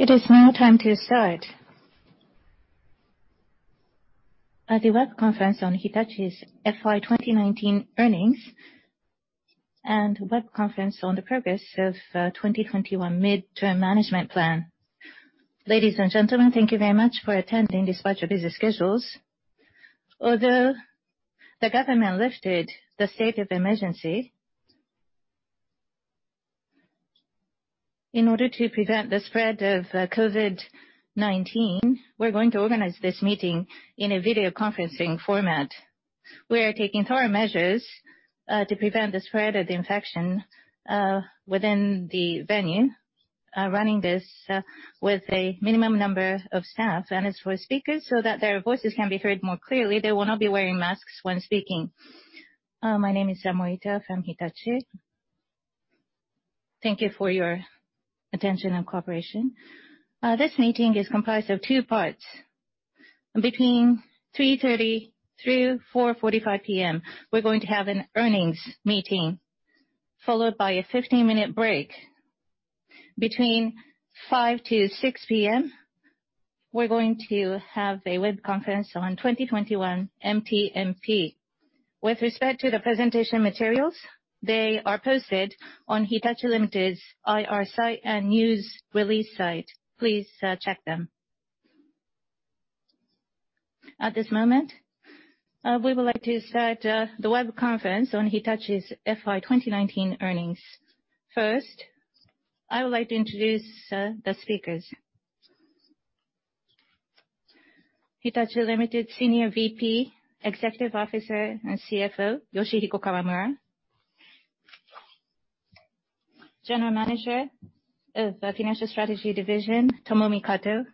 It is now time to start the web conference on Hitachi's FY 2019 earnings and web conference on the progress of 2021 Mid-Term Management Plan. Ladies and gentlemen, thank you very much for attending despite your busy schedules. Although the government lifted the state of emergency, in order to prevent the spread of COVID-19, we're going to organize this meeting in a video conferencing format. We are taking thorough measures to prevent the spread of the infection within the venue, running this with a minimum number of staff. As for speakers, so that their voices can be heard more clearly, they will not be wearing masks when speaking. My name is Samoita from Hitachi. Thank you for your attention and cooperation. This meeting is comprised of two parts. Between 3:30 P.M. through 4:45 P.M., we're going to have an earnings meeting, followed by a 15-minute break. Between 5:00 P.M.-6:00 P.M., we're going to have a web conference on 2021 MTMP. With respect to the presentation materials, they are posted on Hitachi Limited's IR site and news release site. Please check them. At this moment, we would like to start the web conference on Hitachi's FY 2019 earnings. First, I would like to introduce the speakers. Hitachi Limited Senior Vice President, Executive Officer, and Chief Financial Officer, Yoshihiko Kawamura. General Manager of Financial Strategy Division, Tomomi Kato.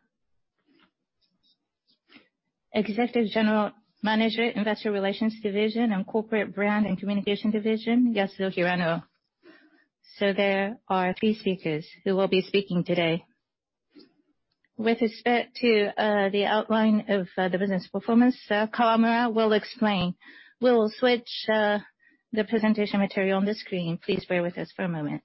Executive General Manager, Investor Relations Division and Corporate Brand and Communication Division, Yasuo Hirano. There are three speakers who will be speaking today. With respect to the outline of the business performance, Kawamura will explain. We will switch the presentation material on the screen. Please bear with us for a moment.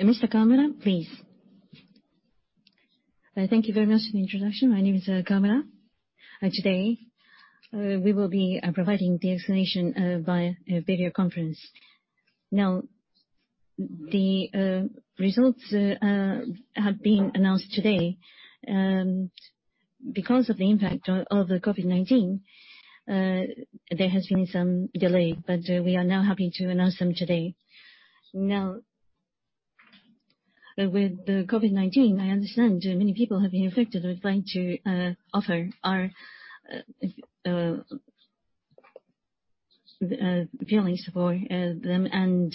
Mr. Kawamura, please. Thank you very much for the introduction. My name is Kawamura. Today, we will be providing the explanation via video conference. The results have been announced today. Because of the impact of COVID-19, there has been some delay, but we are now happy to announce them today. With the COVID-19, I understand many people have been affected. We'd like to offer our feelings for them and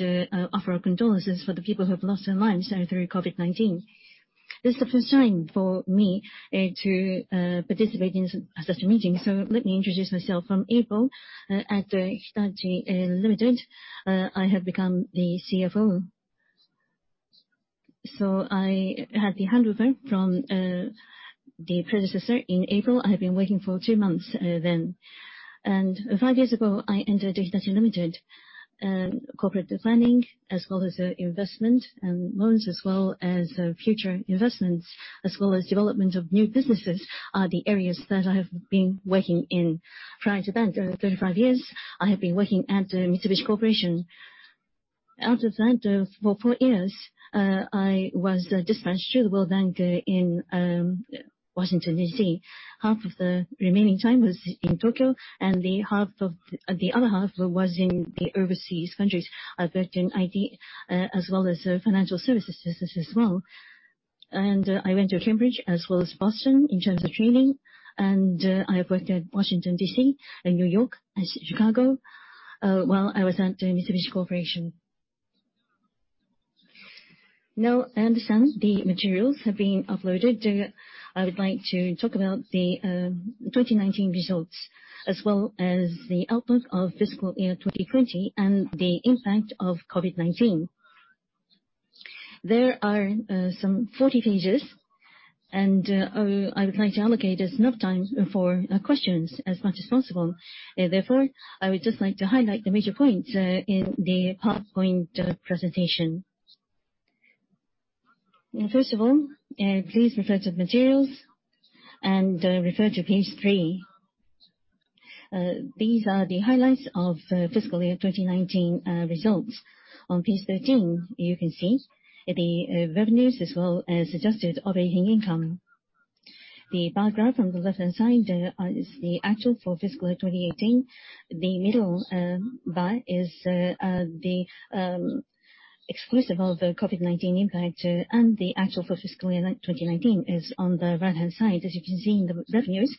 offer our condolences for the people who have lost their lives through COVID-19. This is the first time for me to participate in such a meeting, so let me introduce myself. From April at Hitachi Limited, I have become the CFO. I had the handover from the predecessor in April. I have been working for two months then. Five years ago, I entered Hitachi Limited. Corporate planning as well as investment and loans, as well as future investments, as well as development of new businesses are the areas that I have been working in. Prior to that, 35 years, I have been working at Mitsubishi Corporation. Out of that, for four years, I was dispatched to the World Bank in Washington, D.C. Half of the remaining time was in Tokyo, and the other half was in the overseas countries. I worked in IT as well as financial services as well. I went to Cambridge as well as Boston in terms of training, and I worked at Washington, D.C., and New York, and Chicago while I was at Mitsubishi Corporation. I understand the materials have been uploaded. I would like to talk about the 2019 results, as well as the outlook of fiscal year 2020 and the impact of COVID-19. There are some 40 pages. I would like to allocate as enough time for questions as much as possible. I would just like to highlight the major points in the PowerPoint presentation. Please refer to the materials and refer to page three. These are the highlights of fiscal year 2019 results. On page 13, you can see the revenues as well as adjusted operating income. The bar graph on the left-hand side is the actual for fiscal year 2018. The middle bar is the exclusive of the COVID-19 impact. The actual for fiscal year 2019 is on the right-hand side. As you can see, the revenues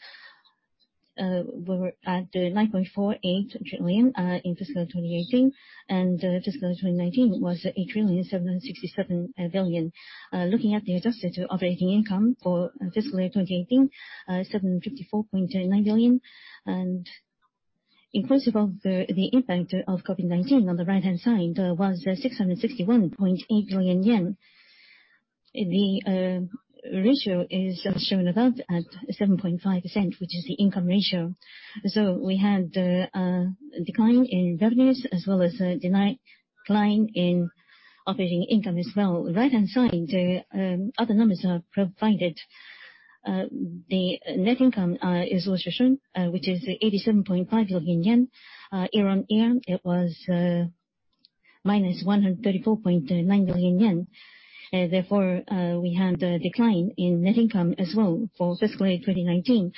were at 9.48 trillion in fiscal 2018. Fiscal 2019 was at 8.767 trillion. Looking at the adjusted operating income for fiscal year 2018, 754.9 billion. Inclusive of the impact of COVID-19 on the right-hand side was 661.8 billion yen. The ratio is shown above at 7.5%, which is the income ratio. We had a decline in revenues, as well as a decline in operating income as well. Right-hand side, the other numbers are provided. The net income is also shown, which is 87.5 billion yen. Year-on-year, it was minus 134.9 billion yen. Therefore, we had a decline in net income as well for fiscal year 2019.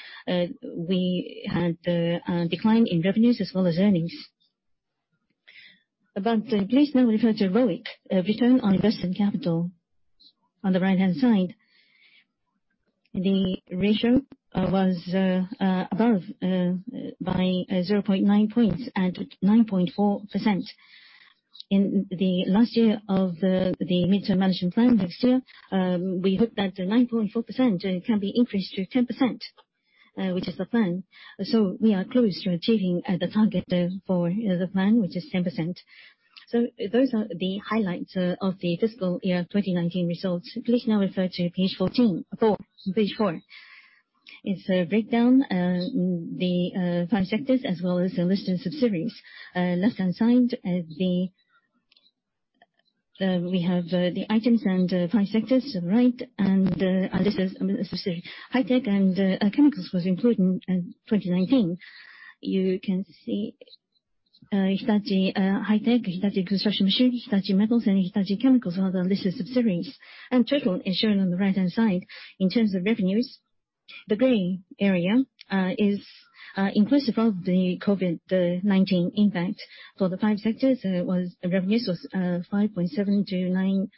We had a decline in revenues as well as earnings. Please now refer to ROIC, return on invested capital, on the right-hand side. The ratio was above by 0.9 points at 9.4%. In the last year of the Mid-Term Management Plan next year, we hope that the 9.4% can be increased to 10%, which is the plan. We are close to achieving the target for the plan, which is 10%. Those are the highlights of the fiscal year 2019 results. Please now refer to Page four. It's a breakdown. The five sectors, as well as the list of subsidiaries. Left-hand side, we have the items and five sectors to the right, and this is subsidiary. High-Tech and Chemicals was included in 2019. You can see Hitachi High-Tech, Hitachi Construction Machinery, Hitachi Metals, and Hitachi Chemicals are the listed subsidiaries. Total is shown on the right-hand side. In terms of revenues, the gray area is inclusive of the COVID-19 impact. For the five sectors, the revenues was 5.729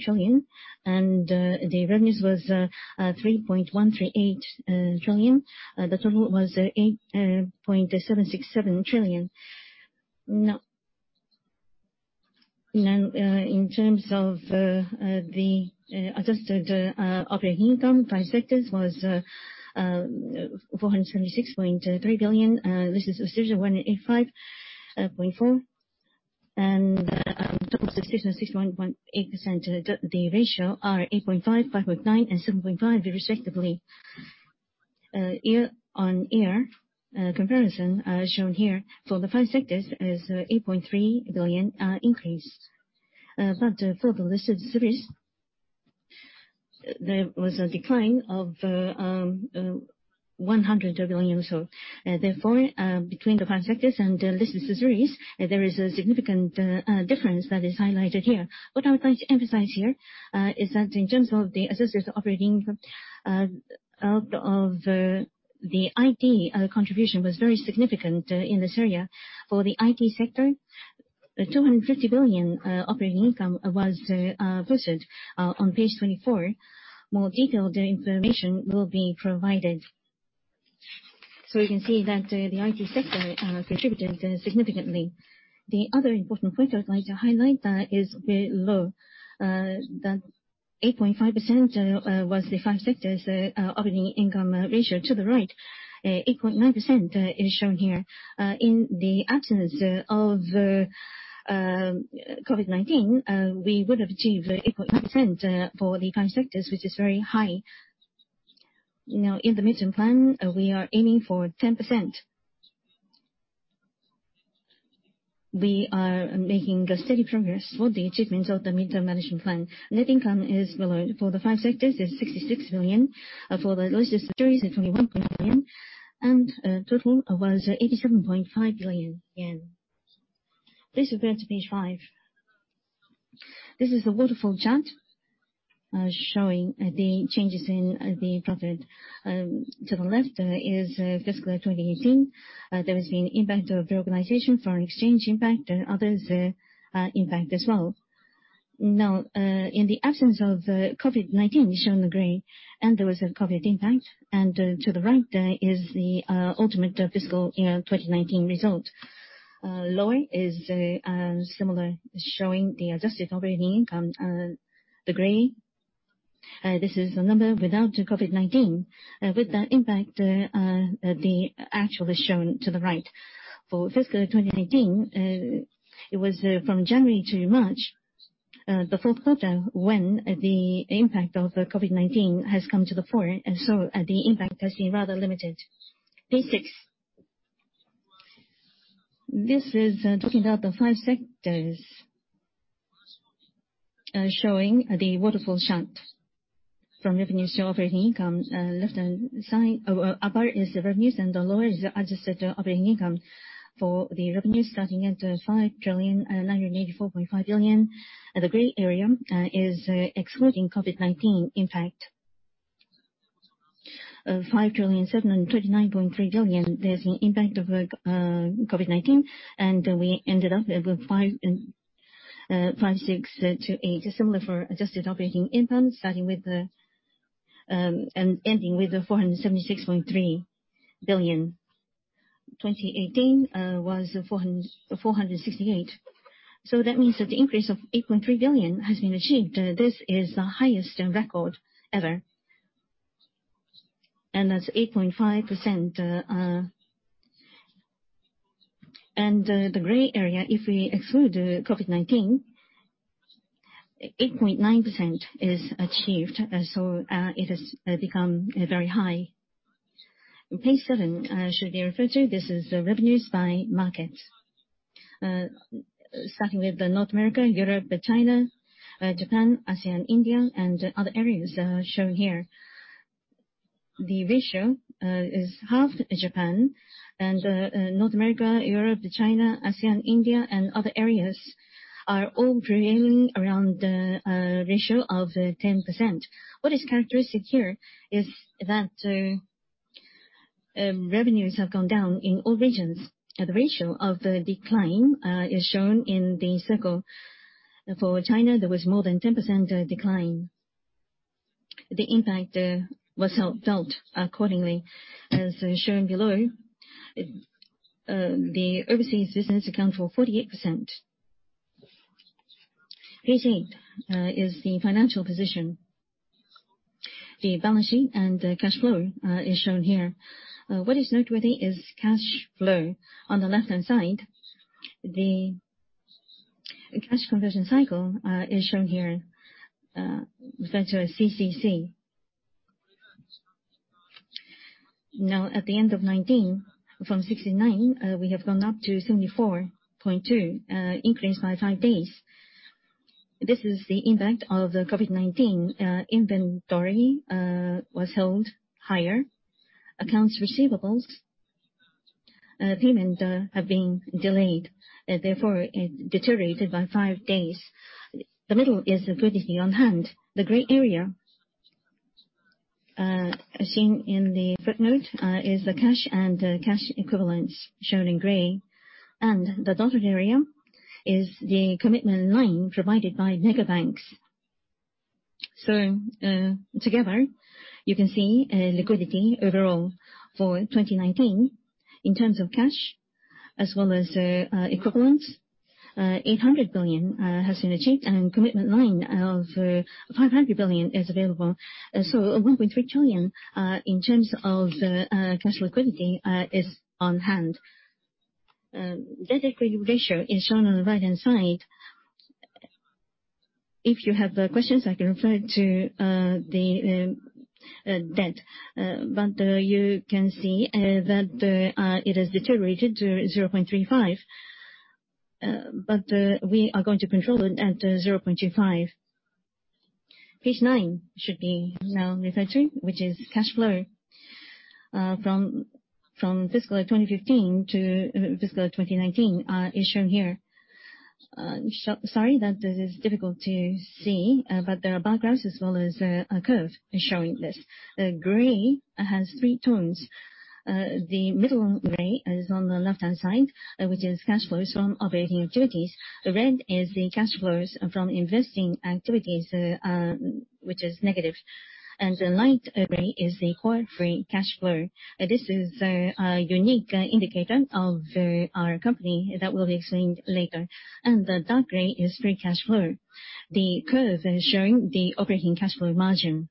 trillion, and the revenues was 3.138 trillion. The total was 8.767 trillion. In terms of the adjusted operating income, five sectors was 476.3 billion. This is 185.4 billion. Total subsidiaries 61.8%. The ratio are 8.5%, 5.9%, and 7.5% respectively. Year-over-year comparison are shown here for the five sectors as 8.3 billion increase. For the listed subsidiaries, there was a decline of 100 billion or so. Therefore, between the five sectors and listed subsidiaries, there is a significant difference that is highlighted here. What I would like to emphasize here is that in terms of the adjusted operating income of the IT contribution was very significant in this area. For the IT sector, the 250 billion operating income was posted. On Page 24, more detailed information will be provided. You can see that the IT sector contributed significantly. The other important point I would like to highlight is below. That 8.5% was the five sectors operating income ratio to the right. 8.9% is shown here. In the absence of COVID-19, we would have achieved 8.9% for the five sectors, which is very high. Now, in the Mid-Term Management Plan, we are aiming for 10%. We are making steady progress for the achievements of the Mid-Term Management Plan. Net income is below. For the five sectors, it's 66 billion. For the listed subsidiaries, 21 billion. Total was 87.5 billion yen. Please refer to Page five. This is a waterfall chart showing the changes in the profit. To the left is fiscal 2018. There has been impact of the organization, foreign exchange impact, and others impact as well. Now, in the absence of COVID-19, shown in gray, there was a COVID impact, and to the right is the ultimate fiscal year 2019 result. Lower is similar, showing the adjusted operating income, the gray. This is the number without COVID-19. With that impact, the actual is shown to the right. For fiscal 2019, it was from January to March, the fourth quarter, when the impact of COVID-19 has come to the fore, the impact has been rather limited. Page six. This is talking about the five sectors, showing the waterfall chart from revenue to operating income. Upper is the revenues and the lower is the adjusted operating income. For the revenues starting at JPY 5.984.5 trillion. The gray area is excluding COVID-19 impact. JPY 5.729.3 trillion, there's the impact of COVID-19, we ended up with 5.628 trillion. Similar for adjusted operating income, starting with the and ending with 476.3 billion. 2018 was 468 billion. That means that the increase of 8.3 billion has been achieved. This is the highest in record ever, and that's 8.5%. The gray area, if we exclude COVID-19, 8.9% is achieved. It has become very high. Page seven should be referred to. This is revenues by market. Starting with North America, Europe, China, Japan, ASEAN, India, and other areas shown here. The ratio is half Japan, and North America, Europe, China, ASEAN, India, and other areas are all prevailing around the ratio of 10%. What is characteristic here is that revenues have gone down in all regions. The ratio of the decline is shown in the circle. For China, there was more than 10% decline. The impact was felt accordingly, as shown below. The overseas business accounts for 48%. Page eight is the financial position. The balance sheet and cash flow is shown here. What is noteworthy is cash flow. On the left-hand side, the cash conversion cycle is shown here, referred to as CCC. At the end of 2019, from 69, we have gone up to 74.2, an increase by five days. This is the impact of the COVID-19. Inventory was held higher. Accounts receivables, payments have been delayed. It deteriorated by five days. The middle is the liquidity on hand. The gray area, as seen in the footnote, is the cash and cash equivalents shown in gray, and the dotted area is the commitment line provided by mega banks. Together, you can see liquidity overall for 2019 in terms of cash as well as equivalents, 800 billion has been achieved, and a commitment line of 500 billion is available. 1.3 trillion, in terms of cash liquidity, is on hand. Debt equity ratio is shown on the right-hand side. If you have questions, I can refer to the debt. You can see that it has deteriorated to 0.35. We are going to control it at 0.25. Page nine should be now referred to, which is cash flow. From fiscal 2015-fiscal 2019 is shown here. Sorry that this is difficult to see, but there are bar graphs as well as a curve showing this. The gray has three tones. The middle gray is on the left-hand side, which is cash flows from operating activities. The red is the cash flows from investing activities, which is negative. The light gray is the Core Free Cash Flow. This is a unique indicator of our company that will be explained later. The dark gray is free cash flow. The curve is showing the operating cash flow margin.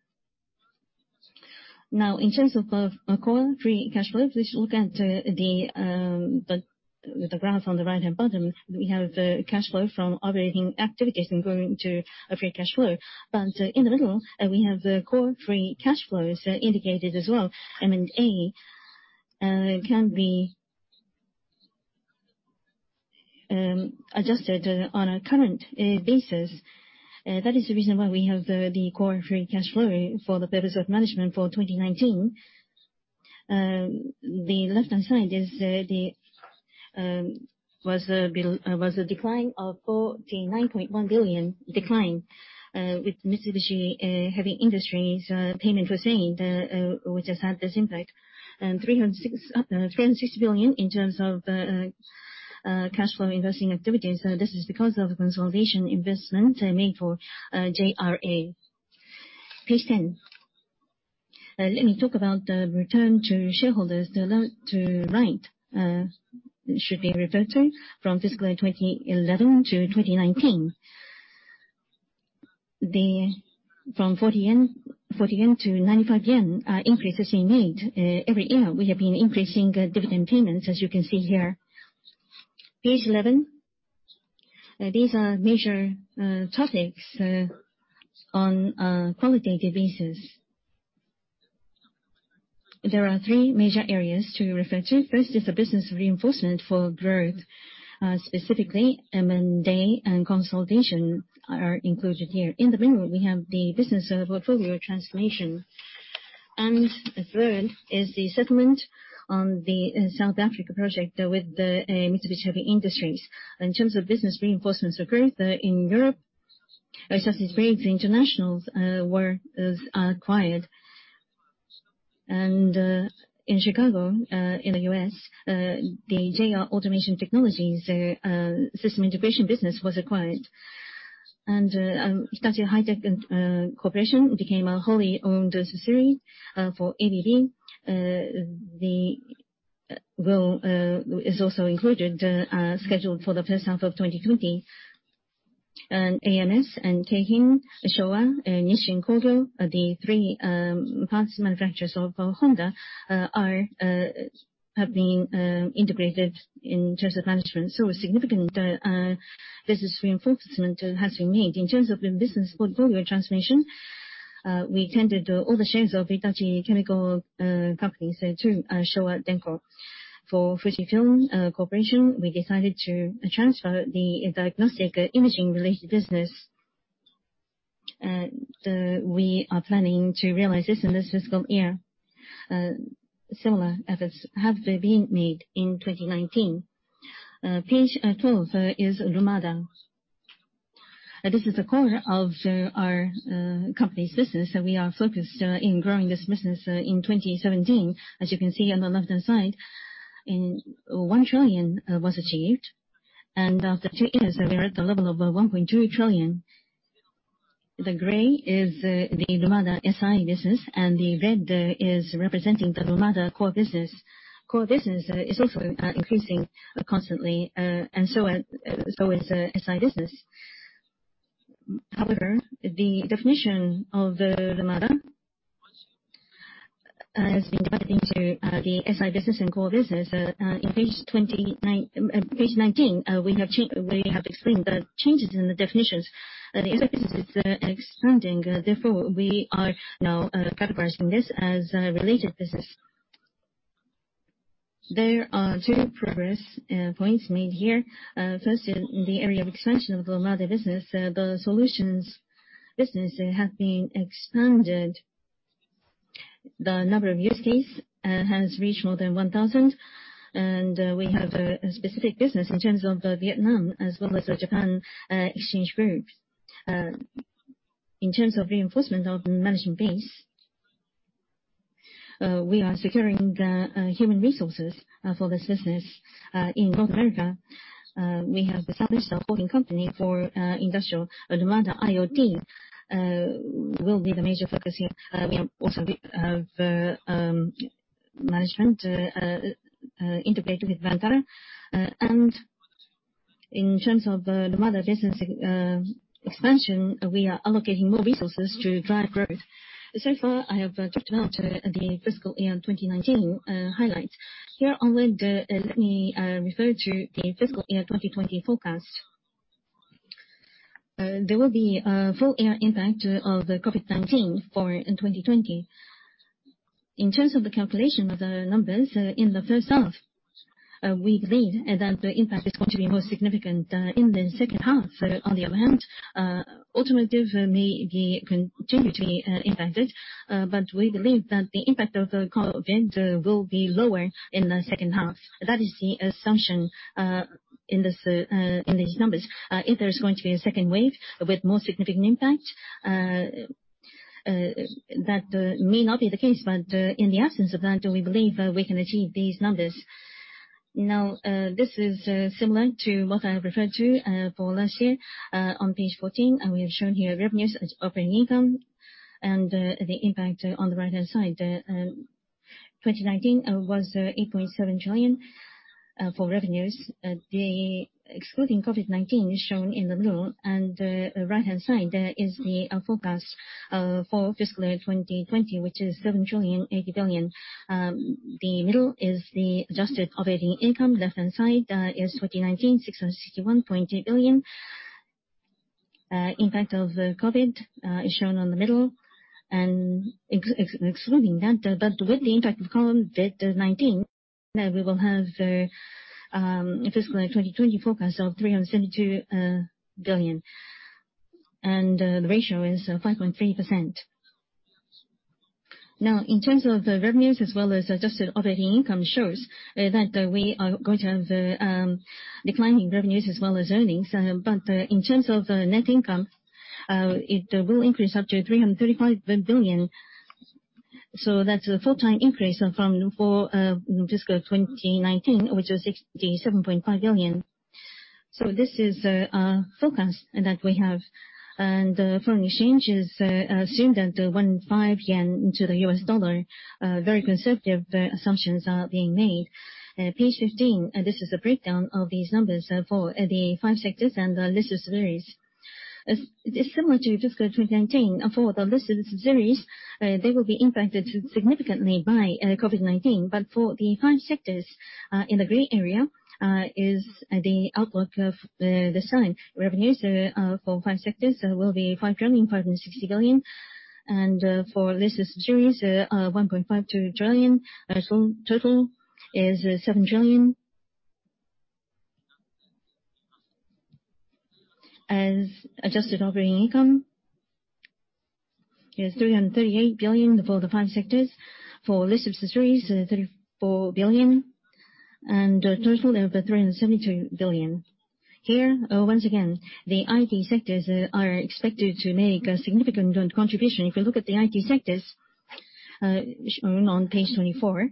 Now, in terms of Core Free Cash Flow, please look at the graph on the right-hand bottom. We have cash flow from operating activities going to free cash flow. In the middle, we have the Core Free Cash Flows indicated as well. M&A can be adjusted on a current basis. That is the reason why we have the Core Free Cash Flow for the purpose of management for 2019. The left-hand side was a decline of 49.1 billion decline with Mitsubishi Heavy Industries' payment was made, which has had this impact. 360 billion in terms of cash flow investing activities. This is because of the consolidation investment made for JRA. Page 10. Let me talk about the return to shareholders. The left to right should be referred to from fiscal 2011-2019. From 40-95 yen increases we made every year. We have been increasing dividend payments, as you can see here. Page 11. These are major topics on a qualitative basis. There are three major areas to refer to. First is the business reinforcement for growth. Specifically, M&A and consolidation are included here. In the middle, we have the business portfolio transformation. Third is the settlement on the South Africa project with Mitsubishi Heavy Industries. In terms of business reinforcements for growth in Europe, Hitachi Vantara International was acquired. In Chicago, in the U.S., the JR Automation Technologies system integration business was acquired. Hitachi High-Tech Corporation became a wholly owned subsidiary for ABB. The bill is also included, scheduled for the first half of 2020. AMS and Keihin, Showa, Nissin Kogyo, the three parts manufacturers of Honda, have been integrated in terms of management. A significant business reinforcement has been made. In terms of the business portfolio transformation, we tended all the shares of Hitachi Chemical Company to Showa Denko. For FUJIFILM Corporation, we decided to transfer the diagnostic imaging related business. We are planning to realize this in this fiscal year. Similar efforts have been made in 2019. Page 12 is Lumada. This is the core of our company's business, we are focused in growing this business in 2017. As you can see on the left-hand side, 1 trillion was achieved. After two years, we are at the level of 1.2 trillion. The gray is the Lumada SI business, and the red is representing the Lumada core business. Core business is also increasing constantly, and so is SI business. However, the definition of Lumada has been divided into the SI business and core business. In page 19, we have explained the changes in the definitions. The SI business is expanding, therefore, we are now categorizing this as a related business. There are two progress points made here. First, in the area of expansion of Lumada business, the solutions business have been expanded. The number of use case has reached more than 1,000, and we have a specific business in terms of Vietnam as well as Japan Exchange Group. In terms of reinforcement of management base, we are securing the human resources for this business in North America. We have established a holding company for industrial Lumada. IoT will be the major focus here. We have management integrated with Hitachi Vantara. In terms of Lumada business expansion, we are allocating more resources to drive growth. So far, I have talked about the fiscal year 2019 highlights. Here onward, let me refer to the fiscal year 2020 forecast. There will be a full year impact of COVID-19 for 2020. In terms of the calculation, the numbers in the first half, we believe that the impact is going to be more significant in the second half. On the other hand, automotive may be continually impacted, but we believe that the impact of the COVID will be lower in the second half. That is the assumption in these numbers. If there is going to be a second wave with more significant impact, that may not be the case, but in the absence of that, we believe we can achieve these numbers. Now, this is similar to what I referred to for last year. On page 14, we have shown here revenues and operating income, and the impact on the right-hand side. 2019 was 8.7 trillion for revenues. Excluding COVID-19, shown in the middle and the right-hand side is the forecast for fiscal 2020, which is 7.08 trillion. The middle is the adjusted operating income. Left-hand side is 2019, 661.8 billion. Impact of COVID-19 is shown on the middle and excluding that. With the impact of COVID-19, we will have a fiscal 2020 forecast of 372 billion. The ratio is 5.3%. Now, in terms of the revenues as well as adjusted operating income shows that we are going to have declining revenues as well as earnings. In terms of net income, it will increase up to 335 billion. That's a five-time increase for fiscal 2019, which was 67.5 billion. This is a forecast that we have. Foreign exchange is assumed at 105 yen to the U.S. dollar. Very conservative assumptions are being made. Page 15. This is a breakdown of these numbers for the five sectors and listed subsidiaries. Similar to fiscal 2019, for the listed subsidiaries, they will be impacted significantly by COVID-19. For the five sectors, in the gray area, is the outlook of the signed revenues for five sectors will be 5.560 billion. For listed subsidiaries, 1.52 trillion. Total is 7 trillion. As adjusted operating income is 338 billion for the five sectors. For listed subsidiaries, 34 billion, and a total of 372 billion. Here, once again, the IT sectors are expected to make a significant contribution. If you look at the IT sectors on page 24,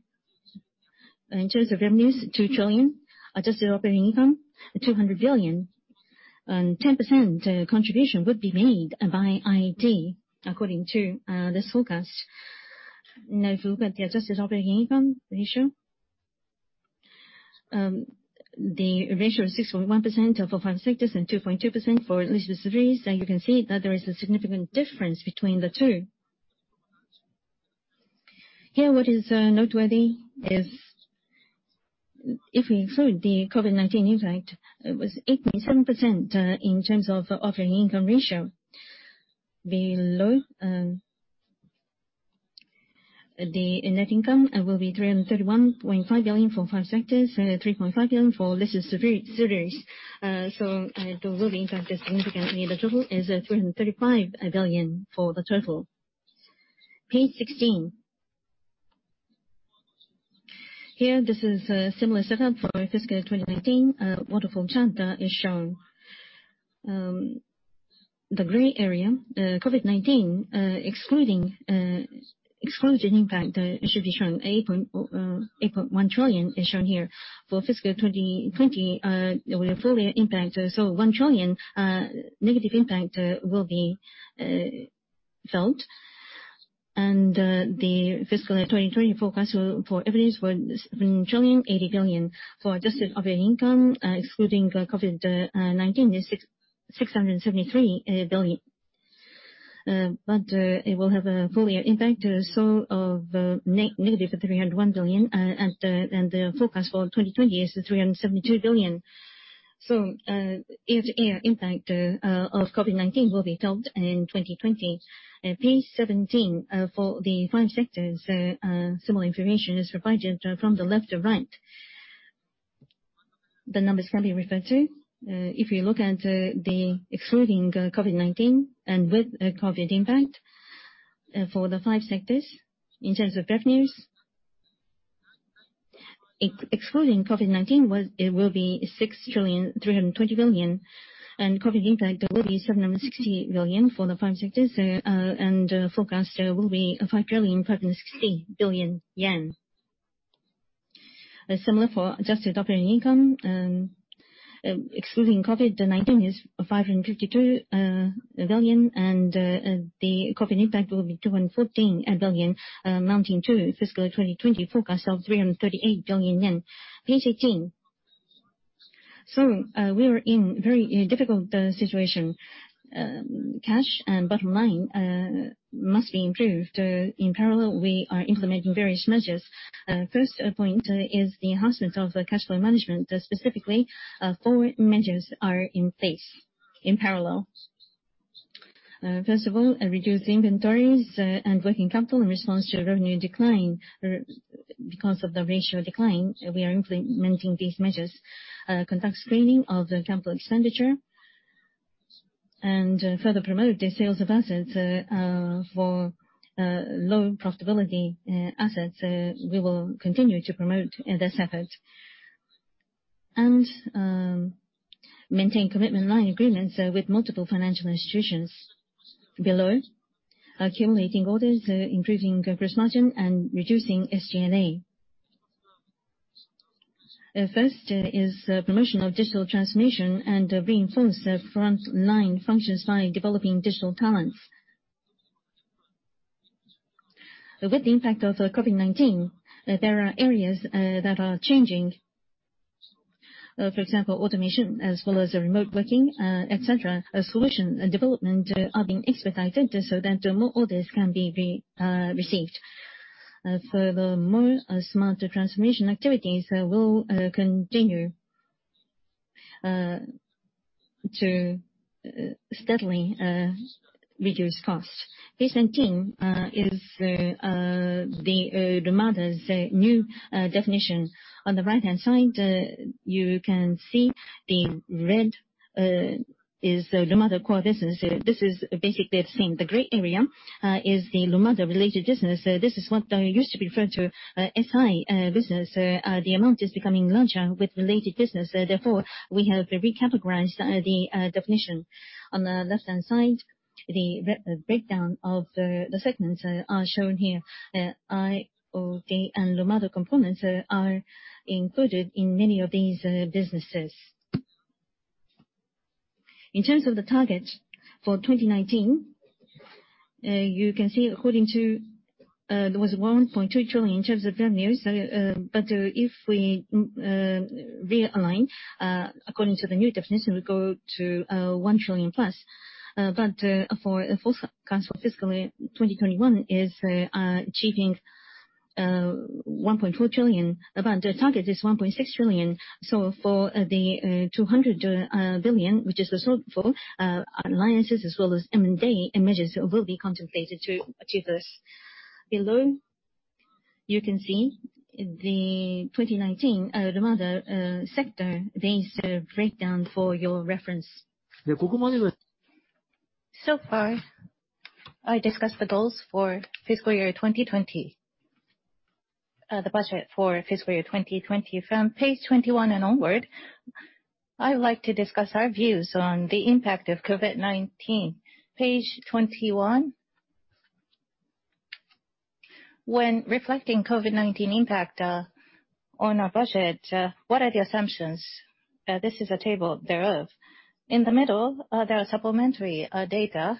in terms of revenues, 2 trillion. Adjusted operating income, 200 billion. 10% contribution would be made by IT according to this forecast. If you look at the adjusted operating income ratio. The ratio of 6.1% for five sectors and 2.2% for listed subsidiaries. You can see that there is a significant difference between the two. What is noteworthy is, if we include the COVID-19 impact, it was 8.7% in terms of operating income ratio. The net income will be 331.5 billion for five sectors, 3.5 billion for listed subsidiaries. It will impact significantly. The total is 335 billion for the total. Page 16. This is a similar setup for fiscal 2019. A waterfall chart is showing. The gray area, the COVID-19 excluding impact should be showing 8.1 trillion is shown here. For fiscal 2020, with the full year impact, 1 trillion negative impact will be felt. The fiscal 2020 forecast for revenues was 7 trillion, 80 billion. For adjusted operating income, excluding COVID-19, is 673 billion. It will have a full year impact, of -301 billion. The forecast for 2020 is 372 billion. Year-over-year impact of COVID-19 will be felt in 2020. Page 17, for the five sectors, similar information is provided from the left to right. The numbers can be referred to. If you look at the excluding COVID-19 and with COVID impact for the five sectors, in terms of revenues, excluding COVID-19, it will be 6.32 trillion, and COVID impact will be 760 billion for the five sectors. The forecast will be 5 trillion, 560 billion. Similar for adjusted operating income, excluding COVID-19, is 552 billion, and the COVID impact will be 214 billion, amounting to fiscal 2020 forecast of 338 billion yen. Page 18. We are in very difficult situation. Cash and bottom line must be improved. In parallel, we are implementing various measures. First point is the enhancement of cash flow management. Specifically, four measures are in place in parallel. First of all, reduce inventories and working capital in response to revenue decline. Because of the ratio decline, we are implementing these measures. Conduct screening of the capital expenditure and further promote the sales of assets for low profitability assets. We will continue to promote this effort and maintain commitment line agreements with multiple financial institutions. Below, accumulating orders, improving gross margin and reducing SG&A. First is promotion of digital transformation and reinforce the front line functions by developing digital talents. With the impact of COVID-19, there are areas that are changing. For example, automation as well as remote working, et cetera. Solution and development are being expedited so that more orders can be received. Furthermore, smarter transformation activities will continue to steadily reduce costs. Page 19 is Lumada's new definition. On the right-hand side, you can see the red is the Lumada core business. This is basically the same. The gray area is the Lumada related business. This is what used to be referred to as SI business. The amount is becoming larger with related business. Therefore, we have recategorized the definition. On the left-hand side, the breakdown of the segments are shown here. IoT and Lumada components are included in many of these businesses. In terms of the targets for 2019, you can see according to, there was 1.2 trillion in terms of revenues. If we realign according to the new definition, we go to 1 trillion+. For forecast for fiscal year 2021 is achieving 1.4 trillion. The target is 1.6 trillion. For the 200 billion, which is the shortfall, alliances as well as M&A measures will be contemplated to achieve this. Below, you can see the 2019 Lumada sector-based breakdown for your reference. So far, I discussed the goals for fiscal year 2020. The budget for fiscal year 2020. From page 21 and onward, I would like to discuss our views on the impact of COVID-19. Page 21. When reflecting COVID-19 impact on our budget, what are the assumptions? This is a table thereof. In the middle, there are supplementary data.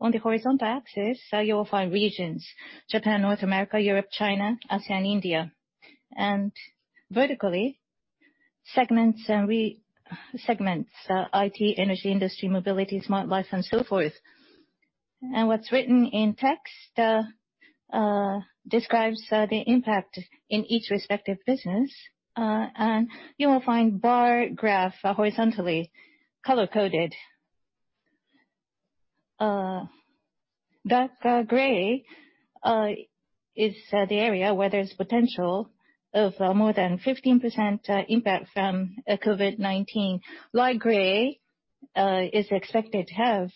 On the horizontal axis, you will find regions, Japan, North America, Europe, China, ASEAN, India. Vertically, segments, IT, energy, industry, mobility, smart life, and so forth. What's written in text describes the impact in each respective business. You will find bar graph horizontally, color-coded. Dark gray is the area where there's potential of more than 15% impact from COVID-19. Light gray is expected to have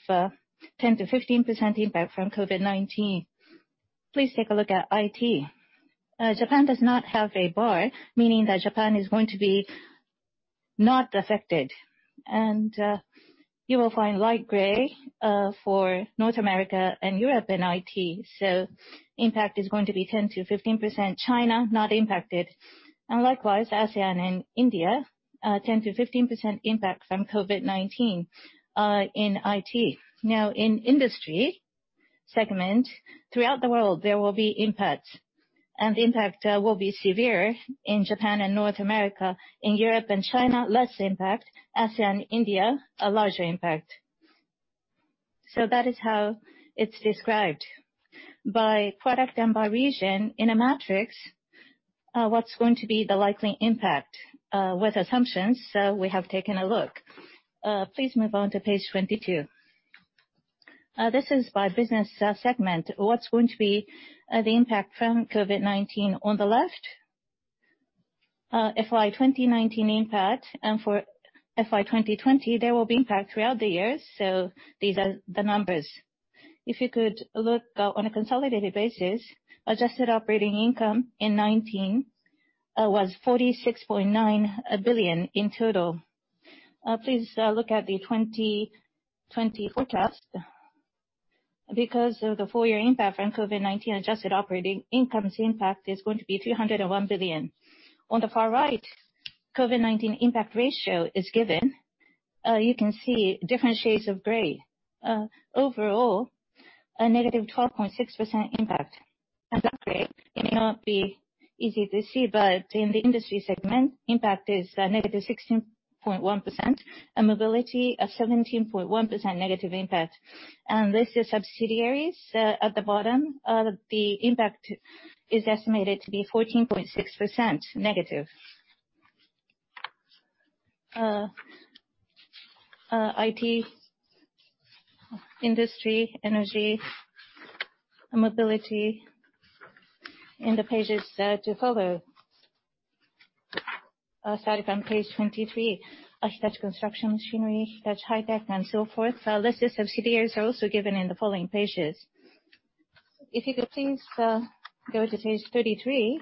10%-15% impact from COVID-19. Please take a look at IT. Japan does not have a bar, meaning that Japan is going to be not affected. You will find light gray for North America and Europe in IT, impact is going to be 10%-15%. China, not impacted. Likewise, ASEAN and India, 10%-15% impact from COVID-19 in IT. In industry segment, throughout the world, there will be impact. The impact will be severe in Japan and North America. In Europe and China, less impact. ASEAN, India, a larger impact. That is how it's described by product and by region in a matrix, what's going to be the likely impact with assumptions, we have taken a look. Please move on to page 22. This is by business segment. What's going to be the impact from COVID-19? On the left, FY 2019 impact. For FY 2020, there will be impact throughout the year, so these are the numbers. If you could look on a consolidated basis, adjusted operating income in 2019 was 46.9 billion in total. Please look at the 2020 forecast. Because of the full year impact from COVID-19, adjusted operating income's impact is going to be 301 billion. On the far right, COVID-19 impact ratio is given. You can see different shades of gray. Overall, a -12.6% impact. That gray, it may not be easy to see, but in the Industry segment, impact is -16.1%, Mobility, a -17.1% impact. This is subsidiaries at the bottom. The impact is estimated to be -14.6%. IT, Industry, Energy, and Mobility in the pages to follow. Starting from page 23, Hitachi Construction Machinery, Hitachi High-Tech, and so forth. Listed subsidiaries are also given in the following pages. If you could please go to page 33.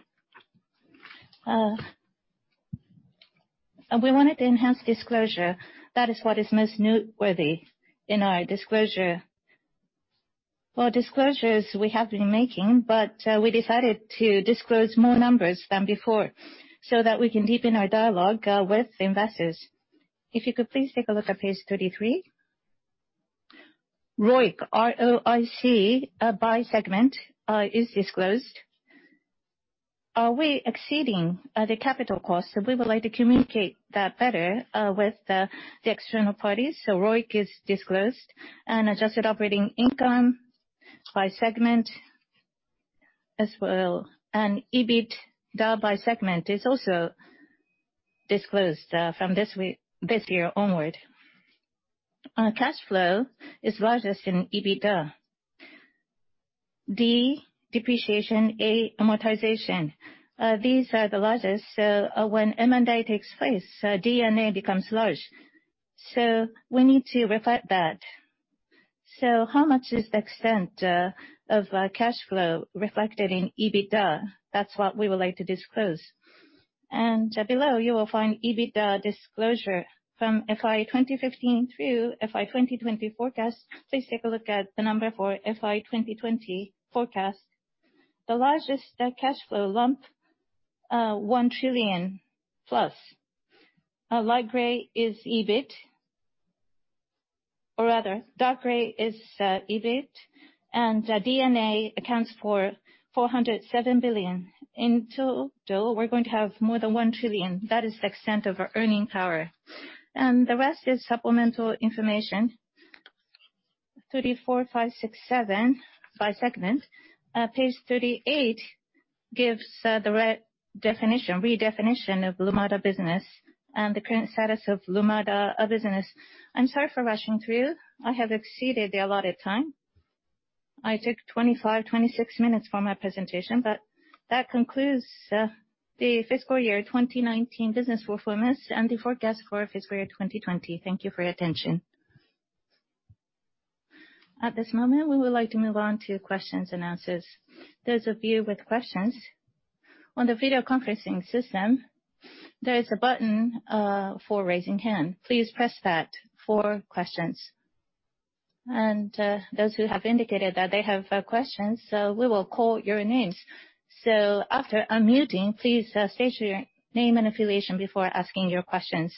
We wanted to enhance disclosure. That is what is most noteworthy in our disclosure. Well, disclosures we have been making, but we decided to disclose more numbers than before so that we can deepen our dialogue with investors. If you could please take a look at page 33. ROIC, R-O-I-C, by segment is disclosed. Are we exceeding the capital costs? We would like to communicate that better with the external parties, ROIC is disclosed. Adjusted operating income by segment as well. EBITDA by segment is also disclosed from this year onward. Cash flow is largest in EBITDA. D, depreciation, A, amortization. These are the largest, when M&A takes place, D and A becomes large. We need to reflect that. How much is the extent of cash flow reflected in EBITDA? That's what we would like to disclose. Below, you will find EBITDA disclosure from FY 2015 through FY 2020 forecast. Please take a look at the number for FY 2020 forecast. The largest cash flow lump, 1 trillion+. Light gray is EBIT, or rather, dark gray is EBIT, and D and A accounts for 407 billion. In total, we're going to have more than 1 trillion. That is the extent of our earning power. The rest is supplemental information, 34, 35, 36, 37, by segment. Page 38 gives the redefinition of Lumada business and the current status of Lumada business. I am sorry for rushing through. I have exceeded the allotted time. I took 25, 26 minutes for my presentation. That concludes the fiscal year 2019 business performance and the forecast for fiscal year 2020. Thank you for your attention. At this moment, we would like to move on to question-and-answer. Those of you with questions, on the video conferencing system, there is a button for raising hand. Please press that for questions. Those who have indicated that they have questions, we will call your names. After unmuting, please state your name and affiliation before asking your questions.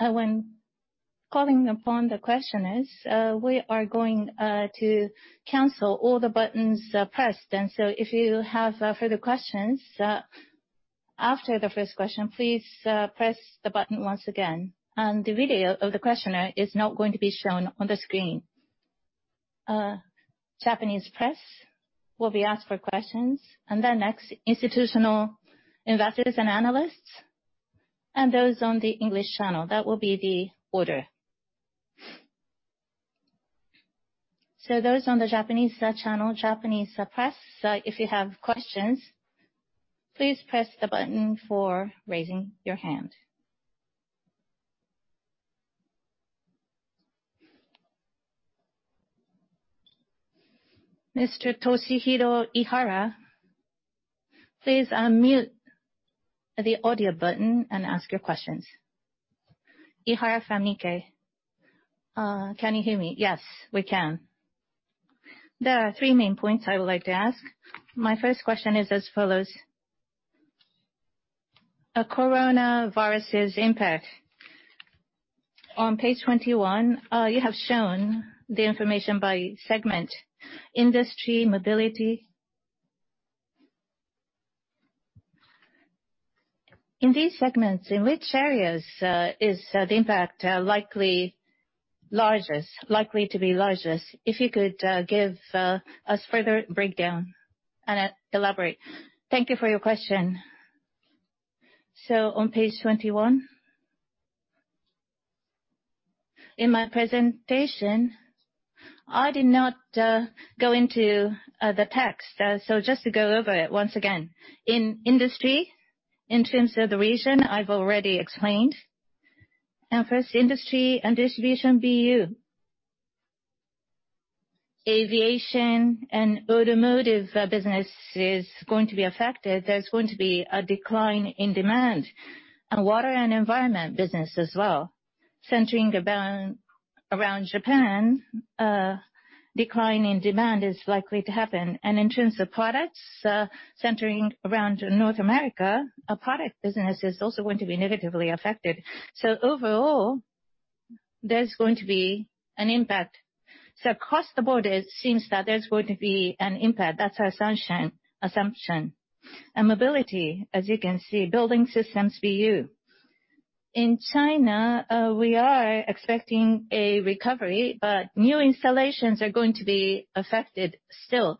When calling upon the questioners, we are going to cancel all the buttons pressed. If you have further questions after the first question, please press the button once again. The video of the questioner is not going to be shown on the screen. Japanese press will be asked for questions, then next, institutional investors and analysts, and those on the English channel. That will be the order. Those on the Japanese channel, Japanese press, if you have questions, please press the button for raising your hand. Mr. Toshihiro Ihara, please unmute the audio button and ask your questions. Ihara from Nikkei. Can you hear me? Yes, we can. There are three main points I would like to ask. My first question is as follows. A coronavirus' impact. On page 21, you have shown the information by segment, industry, mobility. In these segments, in which areas is the impact likely to be largest? If you could give us further breakdown and elaborate. Thank you for your question. On page 21. In my presentation, I did not go into the text, so just to go over it once again. In Industry, in terms of the region, I've already explained. First, Industry and Distribution BU. Aviation and automotive business is going to be affected. There's going to be a decline in demand. Water and environment business as well. Centering around Japan, decline in demand is likely to happen. In terms of products, centering around North America, our product business is also going to be negatively affected. Overall, there's going to be an impact. Across the board, it seems that there's going to be an impact. That's our assumption. Mobility, as you can see, Building Systems BU. In China, we are expecting a recovery, but new installations are going to be affected still.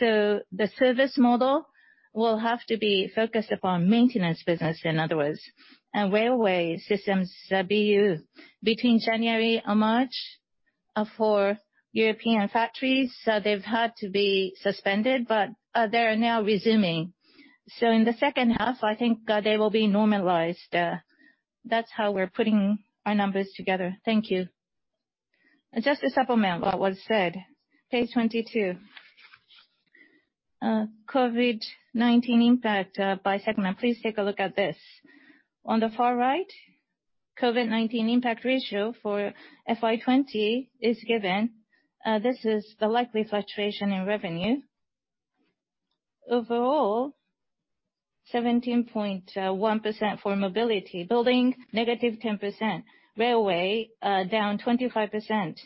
The service model will have to be focused upon maintenance business, in other words. Railway Systems BU, between January and March, for European factories, they've had to be suspended, but they are now resuming. In the second half, I think they will be normalized. That's how we're putting our numbers together. Thank you. Just to supplement what was said, page 22. COVID-19 impact by segment. Please take a look at this. On the far right, COVID-19 impact ratio for FY 2020 is given. This is the likely fluctuation in revenue. Overall, 17.1% for mobility. Building, -10%. Railway, down 25%.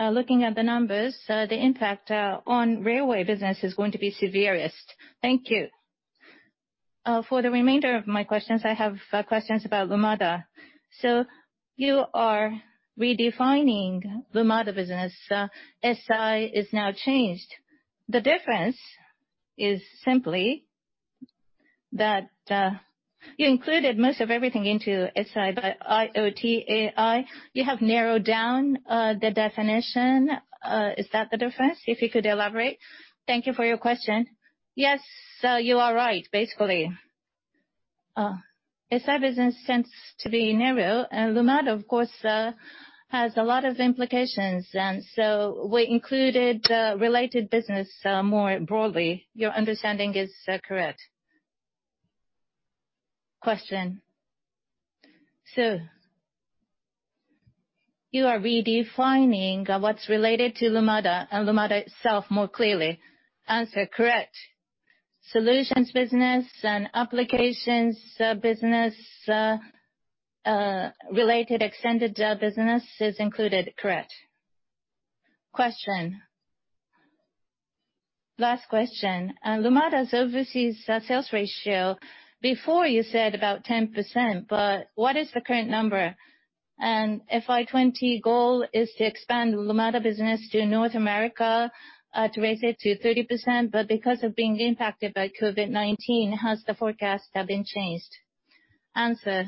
Looking at the numbers, the impact on railway business is going to be severest. Thank you. For the remainder of my questions, I have questions about Lumada. You are redefining Lumada business. SI is now changed. The difference is simply that you included most of everything into SI, but IoT, AI, you have narrowed down the definition. Is that the difference? If you could elaborate. Thank you for your question. Yes, you are right, basically. SI business tends to be narrow, and Lumada, of course, has a lot of implications. We included related business more broadly. Your understanding is correct. Question. You are redefining what's related to Lumada and Lumada itself more clearly. Answer. Correct. Solutions business and applications business, related extended business is included, correct. Question. Last question. Lumada's overseas sales ratio, before you said about 10%, but what is the current number? FY 2020 goal is to expand Lumada business to North America to raise it to 30%, but because of being impacted by COVID-19, has the forecast been changed? Answer.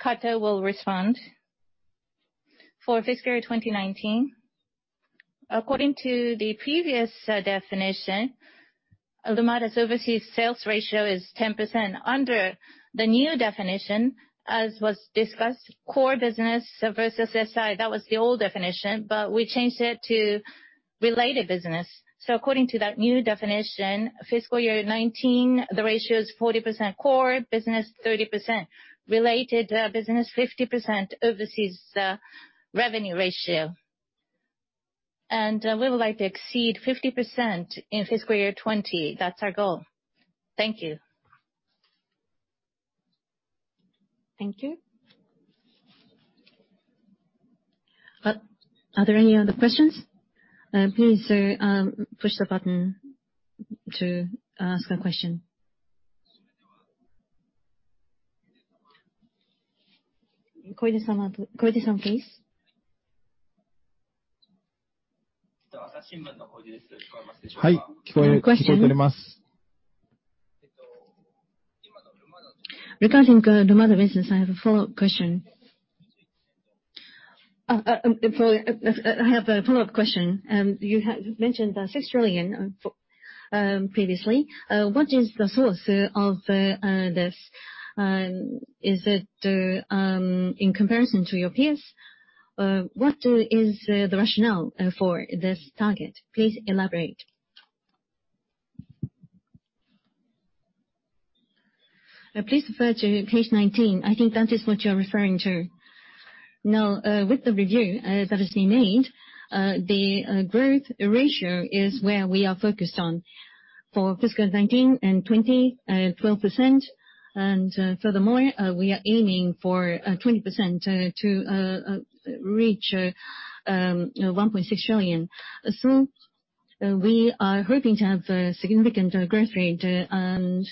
Kato will respond. For fiscal year 2019. According to the previous definition, Lumada's overseas sales ratio is 10%. Under the new definition, as was discussed, core business versus SI, that was the old definition, but we changed it to related business. According to that new definition, fiscal year 2019, the ratio is 40% core business, 30% related business, 50% overseas revenue ratio. We would like to exceed 50% in fiscal year 2020. That's our goal. Thank you. Thank you. Are there any other questions? Please push the button to ask a question. Kojima-san, please. Question. Regarding the Lumada business, I have a follow-up question. You had mentioned 6 trillion previously. What is the source of this? Is it in comparison to your peers? What is the rationale for this target? Please elaborate. Please refer to page 19. I think that is what you're referring to. With the review that has been made, the growth ratio is where we are focused on. For fiscal 2019 and 2020, 12%, and furthermore, we are aiming for 20% to reach 1.6 trillion. We are hoping to have a significant growth rate, and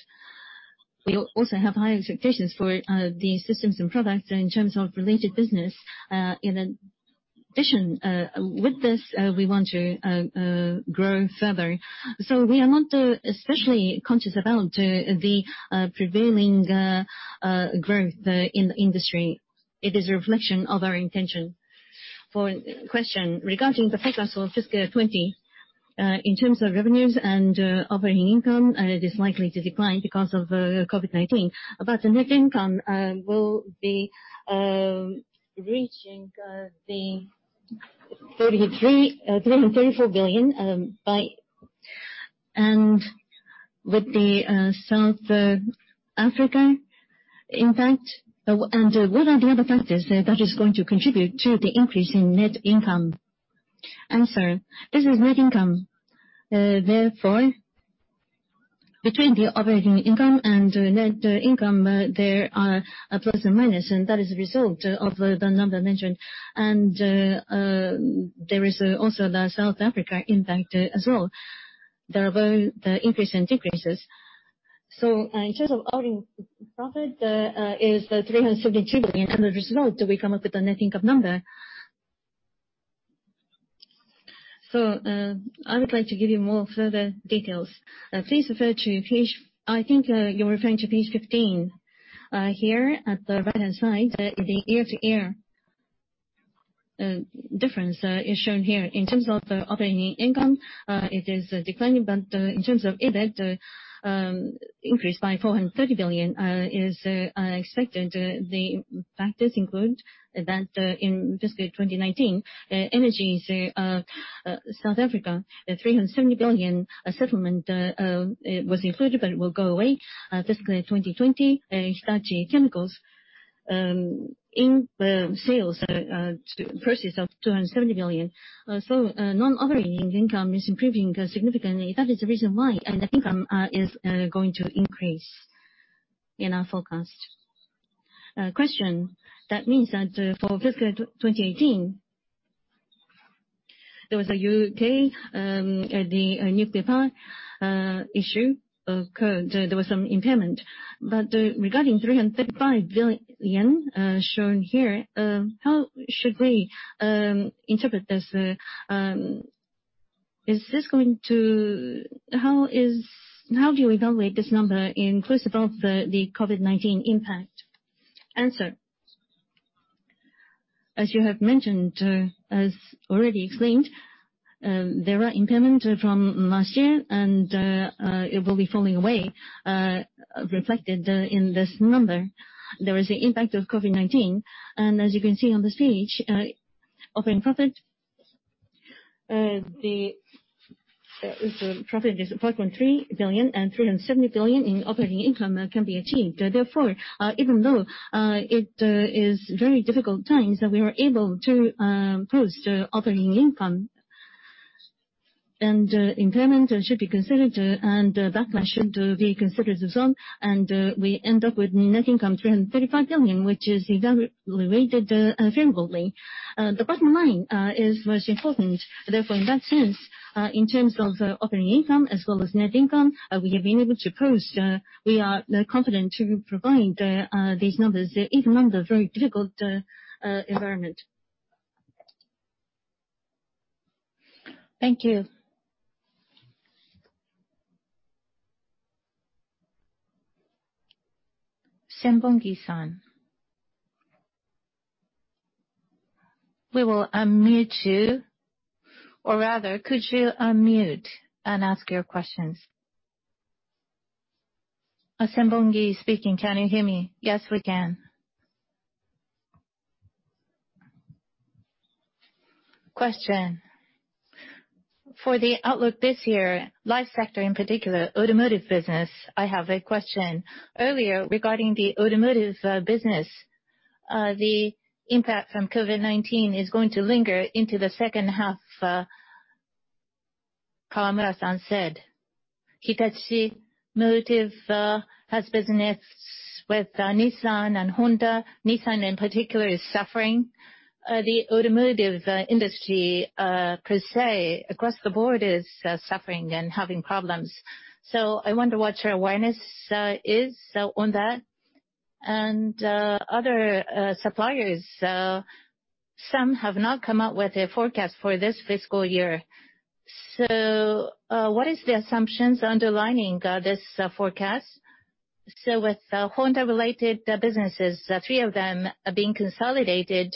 we also have high expectations for these systems and products in terms of related business. With this, we want to grow further. We are not especially conscious about the prevailing growth in the industry. It is a reflection of our intention. For question, regarding the forecast for fiscal 2020, in terms of revenues and operating income, it is likely to decline because of COVID-19. The net income will be reaching JPY 340 billion, and with the South Africa impact. What are the other factors that is going to contribute to the increase in net income? Answer, this is net income. Between the operating income and net income, there are plus and minus, and that is a result of the number mentioned. There is also the South Africa impact as well. There are both increases and decreases. In terms of operating profit, is 372 billion, and as a result, we come up with a net income number. I would like to give you more further details. I think you're referring to page 15. Here, at the right-hand side, the year-to-year difference is shown here. In terms of operating income, it is declining. In terms of EBIT, increase by 430 billion is expected. The factors include that in fiscal 2019, energies South Africa, 370 billion settlement was included. It will go away. Fiscal 2020, Hitachi Chemical in sales purchase of 270 billion. Non-operating income is improving significantly. That is the reason why net income is going to increase in our forecast. Question. That means that for fiscal 2018, there was a U.K., the nuclear power issue occurred. There was some impairment. Regarding 335 billion shown here, how should we interpret this? How do you evaluate this number inclusive of the COVID-19 impact? Answer. As you have mentioned, as already explained, there are impairment from last year, and it will be falling away, reflected in this number. There is the impact of COVID-19. As you can see on this page, operating profit, the profit is 530 billion, and 370 billion in operating income can be achieved. Even though it is very difficult times, we were able to post operating income. Impairment should be considered, and backlash should be considered as well. We end up with net income 335 billion, which is evaluated favorably. The bottom line is what's important. In that sense, in terms of operating income as well as net income, we have been able to post. We are confident to provide these numbers, even under very difficult environment. Thank you. Senbongi-san. We will unmute you. Could you unmute and ask your questions? Senbongi speaking. Can you hear me? Yes, we can. For the outlook this year, life sector in particular, automotive business, I have a question. Earlier regarding the automotive business, the impact from COVID-19 is going to linger into the second half, Kawamura-san said. Hitachi Automotive has business with Nissan and Honda. Nissan, in particular, is suffering. The automotive industry, per se, across the board, is suffering and having problems. I wonder what your awareness is on that. Other suppliers, some have not come out with a forecast for this fiscal year. What is the assumptions underlining this forecast? With Honda-related businesses, three of them are being consolidated,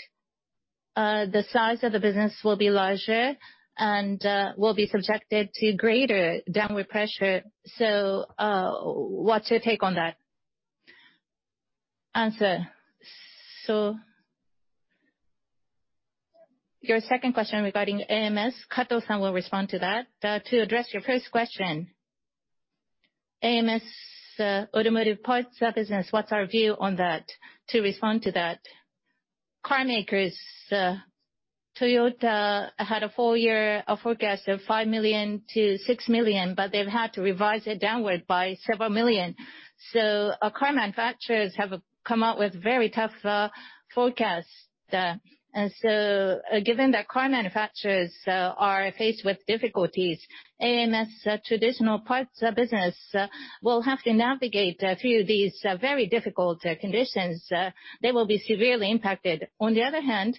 the size of the business will be larger and will be subjected to greater downward pressure. What's your take on that? Your second question regarding AMS, Kato-san will respond to that. To address your first question, AMS automotive parts business, what's our view on that? Carmakers, Toyota had a full year forecast of 5 million to 6 million, but they've had to revise it downward by several million. Carmakers have come out with very tough forecasts. Given that carmakers are faced with difficulties, AMS traditional parts business will have to navigate through these very difficult conditions. They will be severely impacted. On the other hand,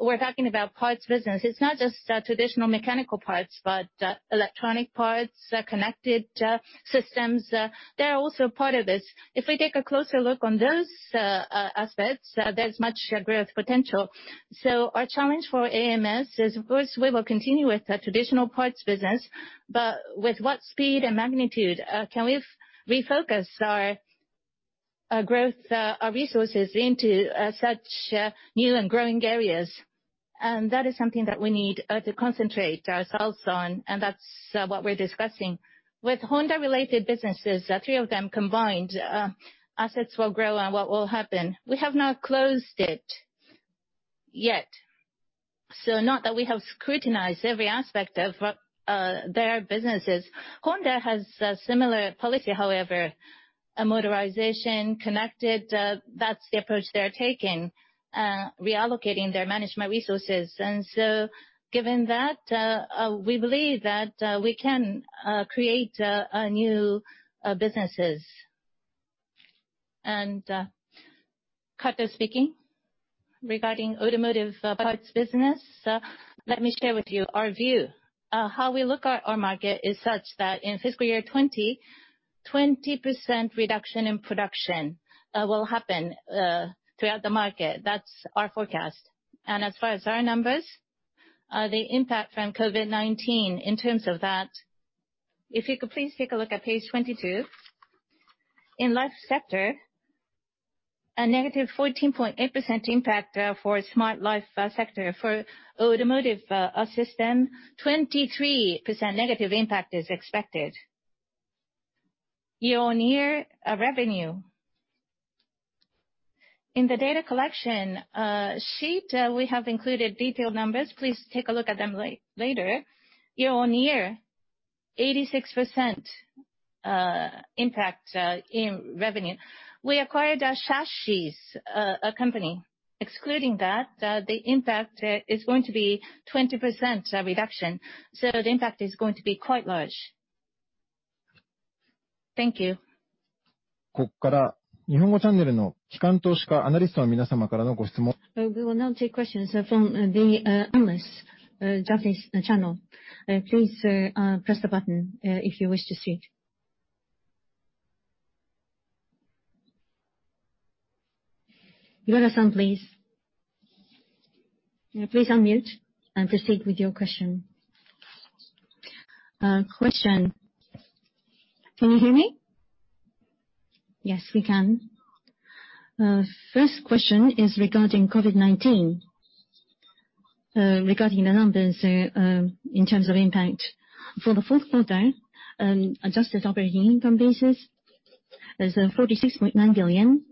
we're talking about parts business. It's not just traditional mechanical parts, but electronic parts, connected systems, they're also part of this. If we take a closer look on those aspects, there's much growth potential. Our challenge for AMS is, of course, we will continue with the traditional parts business, but with what speed and magnitude can we refocus our resources into such new and growing areas? That is something that we need to concentrate ourselves on, and that's what we're discussing. With Honda-related businesses, the three of them combined, assets will grow and what will happen. We have not closed it yet. Not that we have scrutinized every aspect of their businesses. Honda has a similar policy, however, motorization connected, that's the approach they're taking, reallocating their management resources. Given that, we believe that we can create new businesses. Kato speaking. Regarding automotive parts business, let me share with you our view. How we look at our market is such that in fiscal year 2020, 20% reduction in production will happen throughout the market. That's our forecast. As far as our numbers, the impact from COVID-19 in terms of that, if you could please take a look at page 22. In Life sector, a -14.8% impact for Smart Life sector. For Automotive Systems, 23% negative impact is expected. Year-over-year revenue. In the data collection sheet, we have included detailed numbers. Please take a look at them later. Year-over-year, 86% impact in revenue. We acquired Chassis company. Excluding that, the impact is going to be 20% reduction. The impact is going to be quite large. Thank you. We will now take questions from the analysts, Japanese channel. Please press the button if you wish to speak. Yoda-san, please. Please unmute and proceed with your question. Can you hear me? Yes, we can. First question is regarding COVID-19, regarding the numbers in terms of impact. For the fourth quarter, adjusted operating income basis is 46.9 billion.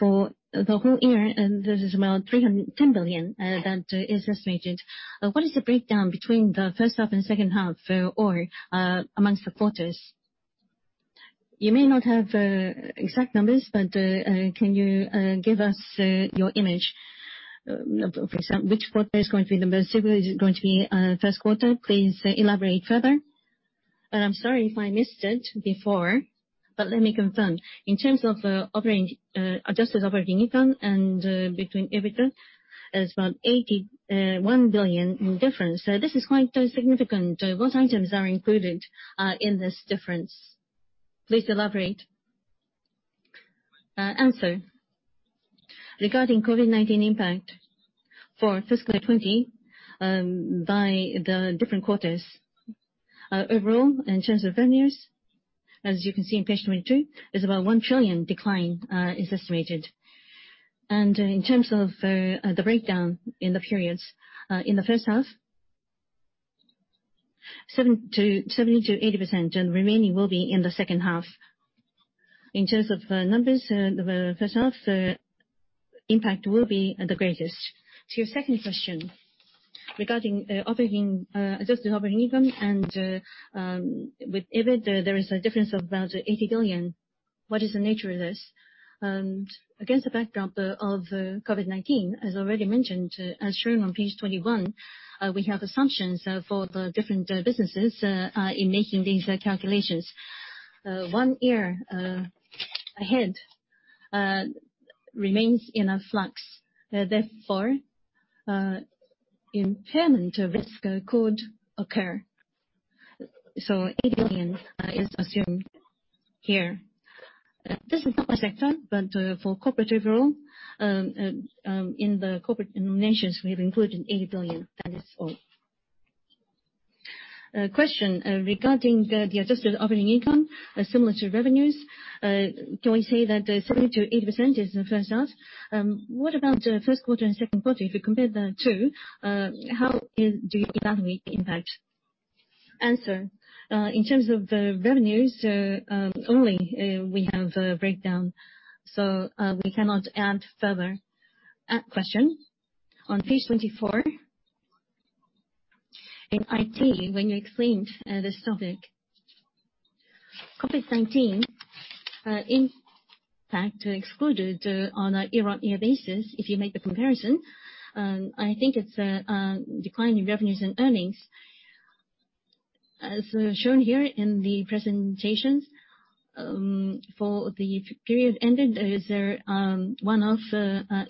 For the whole year, this is about 310 billion that is estimated. What is the breakdown between the first half and second half, or amongst the quarters? You may not have exact numbers, but can you give us your image? For example, which quarter is going to be the most severe? Is it going to be first quarter? Please elaborate further. I'm sorry if I missed it before, but let me confirm. In terms of adjusted operating income and between EBITDA, it's about 81 billion in difference. This is quite significant. What items are included in this difference? Please elaborate. Answer. Regarding COVID-19 impact for fiscal 2020, by the different quarters. Overall, in terms of revenues, as you can see on page 22, 1 trillion decline is estimated. In terms of the breakdown in the periods, in the first half, 70%-80% and remaining will be in the second half. In terms of numbers, the first half impact will be the greatest. To your second question, regarding adjusted operating income and with EBIT, there is a difference of about 80 billion. What is the nature of this? Against the backdrop of COVID-19, as already mentioned, as shown on page 21, we have assumptions for the different businesses in making these calculations. One year ahead remains in flux. Therefore, impairment risk could occur. 80 billion is assumed here. This is not my sector, but for corporate overall, in the corporate eliminations, we have included 80 billion. That is all. Question. Regarding the adjusted operating income, similar to revenues, can we say that 70%-80% is the first half? What about first quarter and second quarter? If you compare the two, how do you evaluate the impact? In terms of the revenues, only we have a breakdown. We cannot add further. On page 24, in IT, when you explained this topic, COVID-19 impact excluded on a year-on-year basis, if you make the comparison, I think it's a decline in revenues and earnings. As shown here in the presentations, for the period ended, is there one-off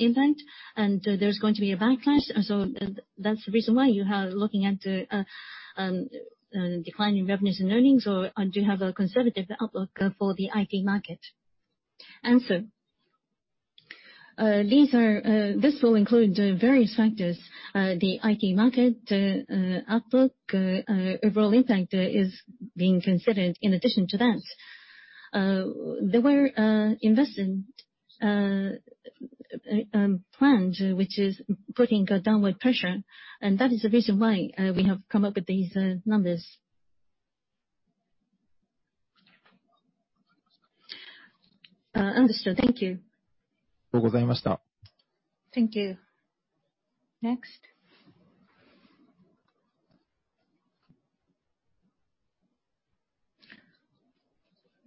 event and there's going to be a backlash? That's the reason why you are looking at a decline in revenues and earnings, or do you have a conservative outlook for the IT market? This will include various factors, the IT market outlook, overall impact is being considered in addition to that. There were investment plans, which is putting a downward pressure, and that is the reason why we have come up with these numbers. Understood. Thank you. Thank you. Next.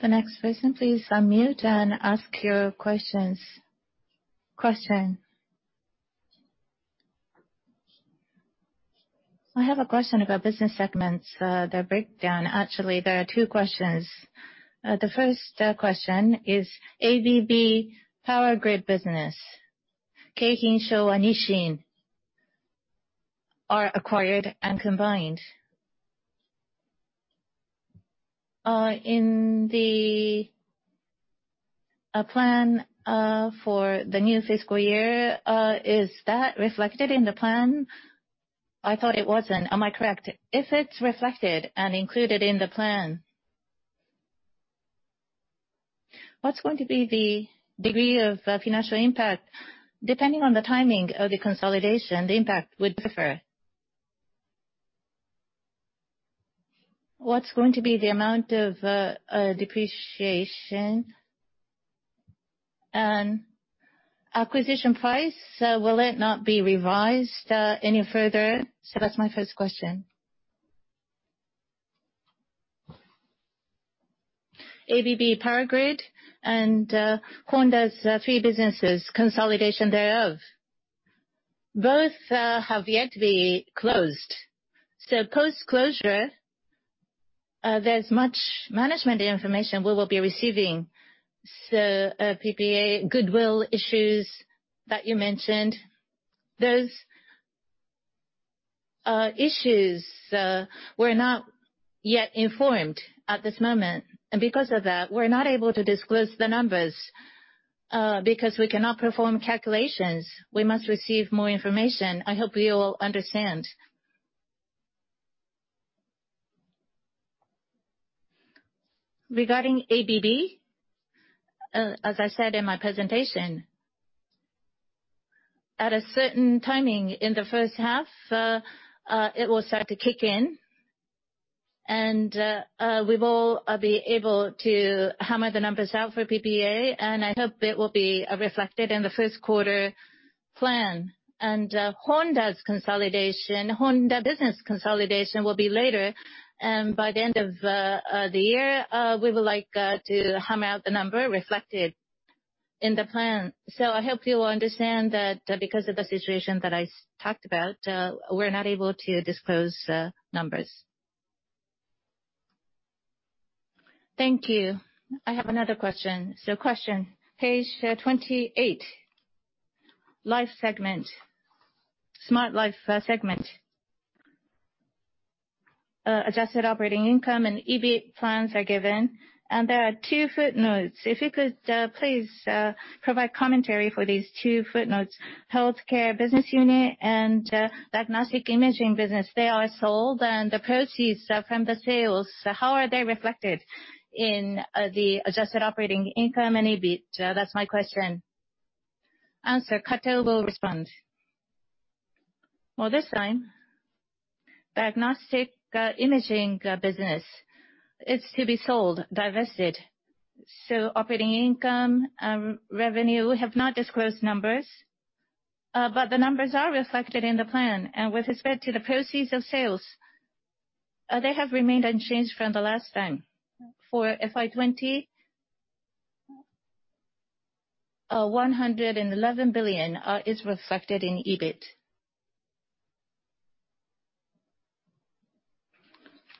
The next person, please unmute and ask your questions. Question. I have a question about business segments, the breakdown. There are two questions. The first question is, ABB Power Grids business, Keihin and Showa and Nissin are acquired and combined. In the plan for the new fiscal year, is that reflected in the plan? I thought it wasn't. Am I correct? If it's reflected and included in the plan, what's going to be the degree of financial impact? Depending on the timing of the consolidation, the impact would differ. What's going to be the amount of depreciation and acquisition price? Will it not be revised any further? That's my first question. ABB Power Grids and Honda's three businesses, consolidation thereof. Both have yet to be closed. Post-closure, there's much management information we will be receiving. PPA, goodwill issues that you mentioned, those issues we're not yet informed at this moment. Because of that, we're not able to disclose the numbers because we cannot perform calculations. We must receive more information. I hope you all understand. Regarding ABB, as I said in my presentation, at a certain timing in the first half, it will start to kick in, and we will be able to hammer the numbers out for PPA, and I hope it will be reflected in the first quarter plan. Honda's consolidation, Honda business consolidation will be later. By the end of the year, we would like to hammer out the number reflected in the plan. I hope you will understand that because of the situation that I talked about, we're not able to disclose numbers. Thank you. I have another question. Question. Page 28, Life Segment, Smart Life Segment. Adjusted operating income and EBIT plans are given, and there are two footnotes. If you could please provide commentary for these two footnotes. Healthcare business unit and diagnostic imaging business, they are sold, and the proceeds from the sales, how are they reflected in the adjusted operating income and EBIT? That's my question. Answer. Kato will respond. Well, this time, diagnostic imaging business is to be sold, divested. Operating income, revenue, we have not disclosed numbers. The numbers are reflected in the plan. With respect to the proceeds of sales, they have remained unchanged from the last time. For FY 2020, 111 billion is reflected in EBIT.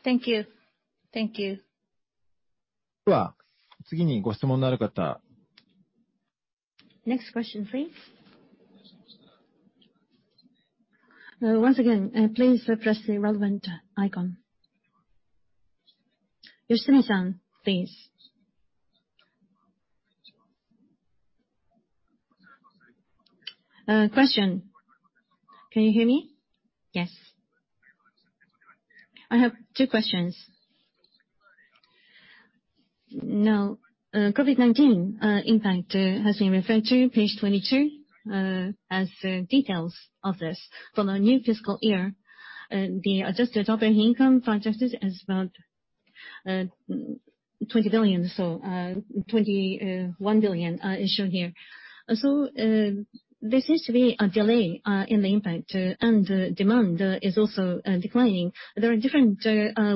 Thank you. Next question, please. Once again, please press the relevant icon. Yoshinori-san, please. Question. Can you hear me? Yes. I have two questions. COVID-19 impact has been referred to, page 22, as details of this. From our new fiscal year, the adjusted operating income forecast is about 20 billion, so 21 billion is shown here. There seems to be a delay in the impact, and demand is also declining. There are different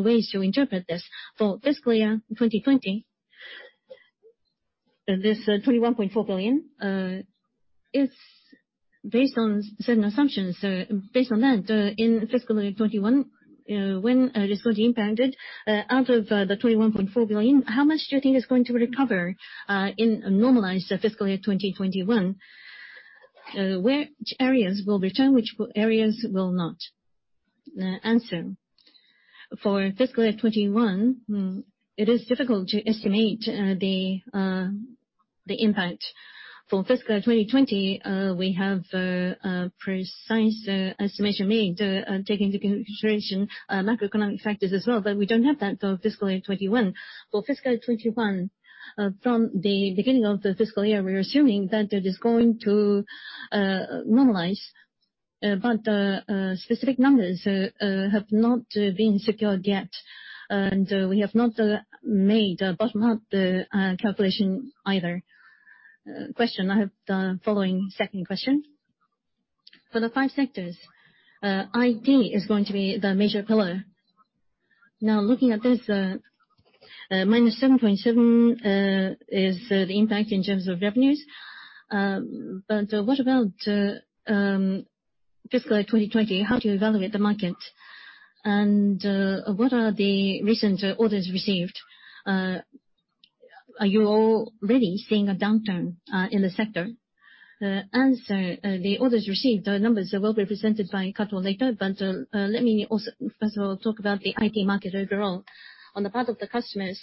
ways to interpret this. For fiscal year 2020, this 21.4 billion, it's based on certain assumptions. Based on that, in fiscal year 2021, when it is going to be impacted, out of the 21.4 billion, how much do you think is going to recover in a normalized fiscal year 2021? Which areas will return, which areas will not? Answer. For fiscal year 2021, it is difficult to estimate the impact. For fiscal 2020, we have a precise estimation made, taking into consideration macroeconomic factors as well, but we don't have that for fiscal year 2021. For fiscal 2021, from the beginning of the fiscal year, we are assuming that it is going to normalize, but specific numbers have not been secured yet, and we have not made a bottom-up calculation either. Question. I have the following second question. For the five sectors, IT is going to be the major pillar. Now, looking at this, -7.7% is the impact in terms of revenues. What about fiscal 2020? What are the recent orders received? Are you already seeing a downturn in the sector? Answer. The orders received, the numbers will be presented by Kato later, but let me first of all talk about the IT market overall. On the part of the customers,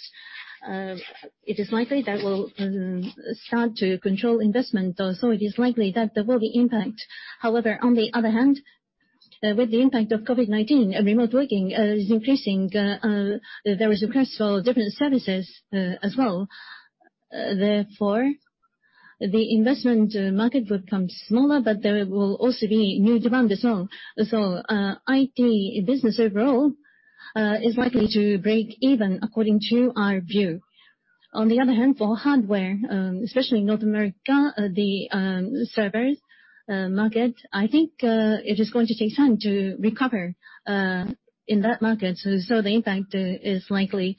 it is likely they will start to control investment, so it is likely that there will be impact. However, on the other hand, with the impact of COVID-19, remote working is increasing. There is a quest for different services as well. Therefore, the investment market would come smaller, but there will also be new demand as well. IT business overall is likely to break even according to our view. On the other hand, for hardware, especially North America, the servers market, I think it is going to take time to recover in that market, so the impact is likely.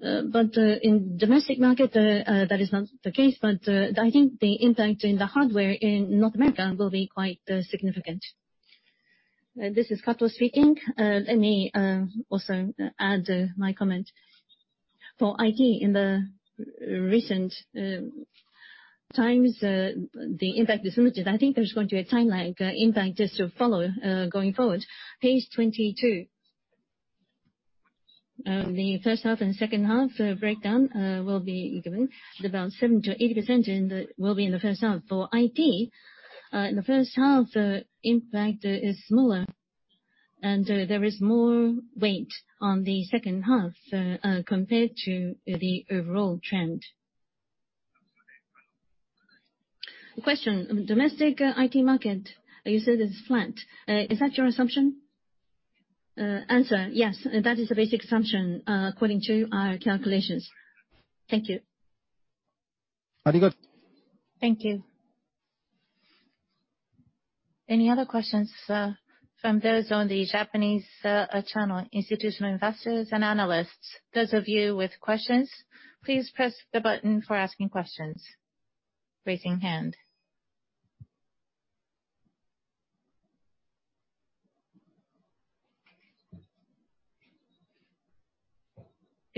In domestic market, that is not the case, but I think the impact in the hardware in North America will be quite significant. This is Kato speaking. Let me also add my comment. For IT, in the recent times, the impact is limited. I think there's going to be a timeline impact just to follow going forward. Page 22, the first half and second half breakdown will be given. About 70%-80% will be in the first half. For IT, in the first half, the impact is smaller, and there is more weight on the second half compared to the overall trend. Question. Domestic IT market, you said it's flat. Is that your assumption? Answer. Yes, that is the basic assumption according to our calculations. Thank you. Thank you. Any other questions from those on the Japanese channel, institutional investors, and analysts? Those of you with questions, please press the button for asking questions, raising hand.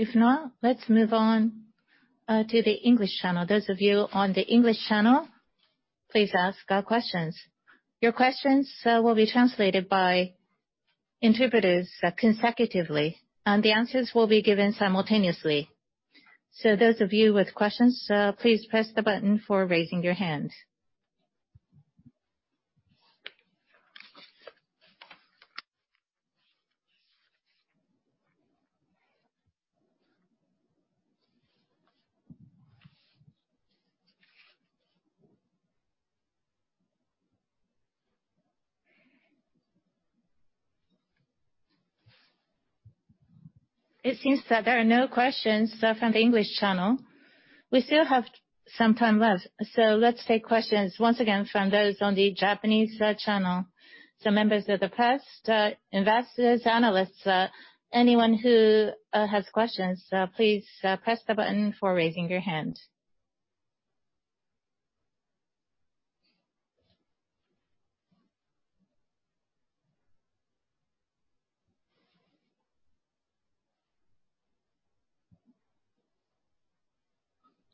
If not, let's move on to the English channel. Those of you on the English channel, please ask questions. Your questions will be translated by interpreters consecutively, and the answers will be given simultaneously. Those of you with questions, please press the button for raising your hand. It seems that there are no questions from the English channel. We still have some time left, let's take questions, once again, from those on the Japanese channel. Members of the press, investors, analysts, anyone who has questions, please press the button for raising your hand.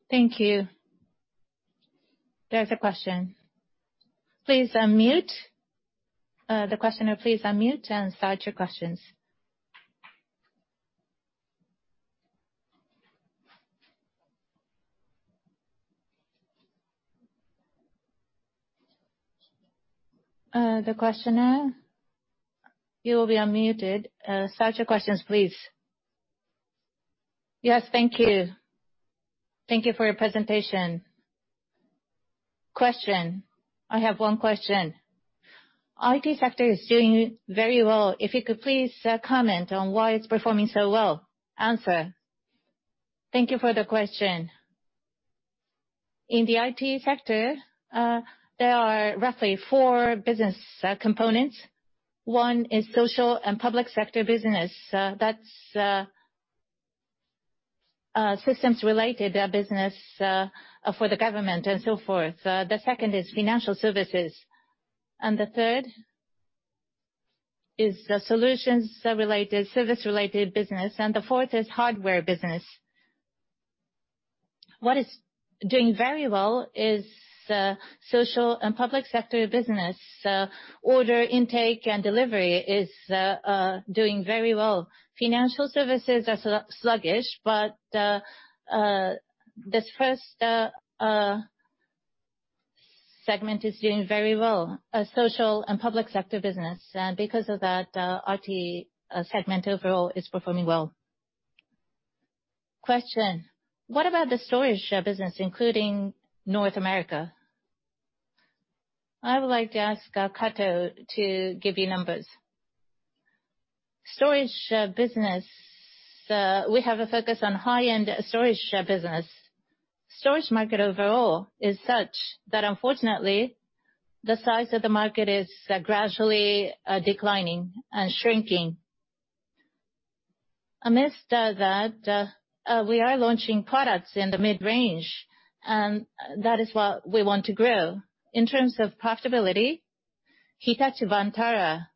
Thank you. There's a question. Please unmute. The questioner, please unmute and start your questions. The questioner, you will be unmuted. Start your questions, please. Yes. Thank you. Thank you for your presentation. Question. I have one question. IT Sector is doing very well. If you could please comment on why it's performing so well. Answer. Thank you for the question. In the IT Sector, there are roughly four business components. One is Social and Public Sector Business. That's systems-related business for the government and so forth. The second is Financial Services, and the third is the Solutions-Related/Service-Related Business, and the fourth is Hardware Business. What is doing very well is Social and Public Sector Business. Order intake and delivery is doing very well. Financial Services are sluggish, but this first segment is doing very well, Social and Public Sector Business. Because of that, IT Segment overall is performing well. Question. What about the Storage Business, including North America? I would like to ask Kato to give you numbers. Storage business, we have a focus on high-end storage business. Storage market overall is such that unfortunately, the size of the market is gradually declining and shrinking. Amidst that, we are launching products in the mid-range, that is what we want to grow. In terms of profitability, Hitachi Vantara,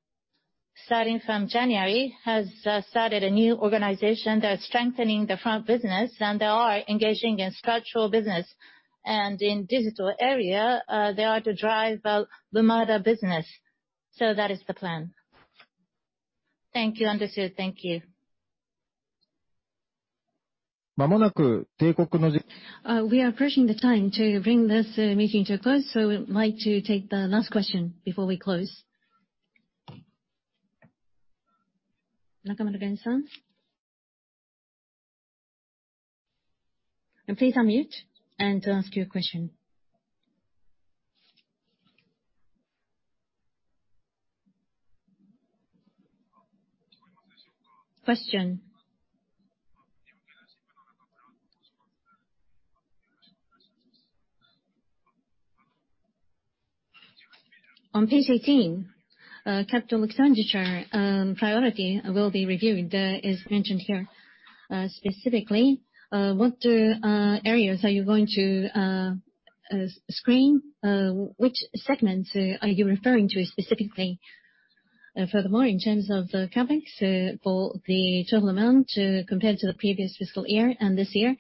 starting from January, has started a new organization. They're strengthening the front business, they are engaging in structural business. In digital area, they are to drive the Lumada business. That is the plan. Thank you. Understood. Thank you. We are approaching the time to bring this meeting to a close, we would like to take the last question before we close. Nakamoto Gen-san. Please unmute and ask your question. Question. On page 18, capital expenditure priority will be reviewed, as mentioned here. Specifically, what areas are you going to screen? Which segments are you referring to specifically? Furthermore, in terms of the CapEx for the total amount compared to the previous fiscal year and this year,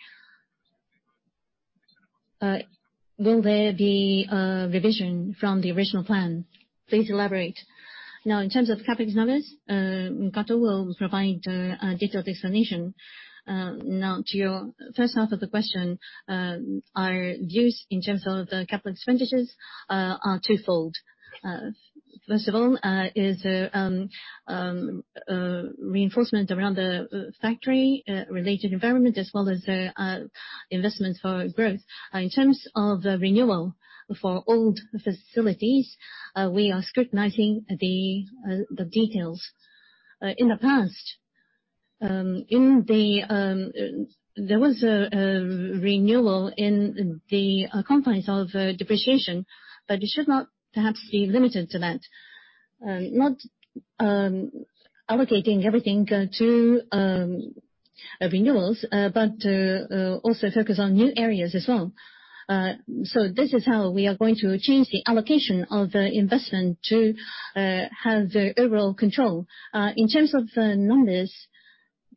will there be a revision from the original plan? Please elaborate. In terms of CapEx numbers, Kato will provide a detailed explanation. To your first half of the question, our views in terms of the capital expenditures are twofold. First of all is reinforcement around the factory-related environment, as well as investment for growth. In terms of renewal for old facilities, we are scrutinizing the details. In the past, there was a renewal in the confines of depreciation, but it should not perhaps be limited to that. Not allocating everything to renewals, but also focus on new areas as well. This is how we are going to change the allocation of the investment to have overall control. In terms of numbers,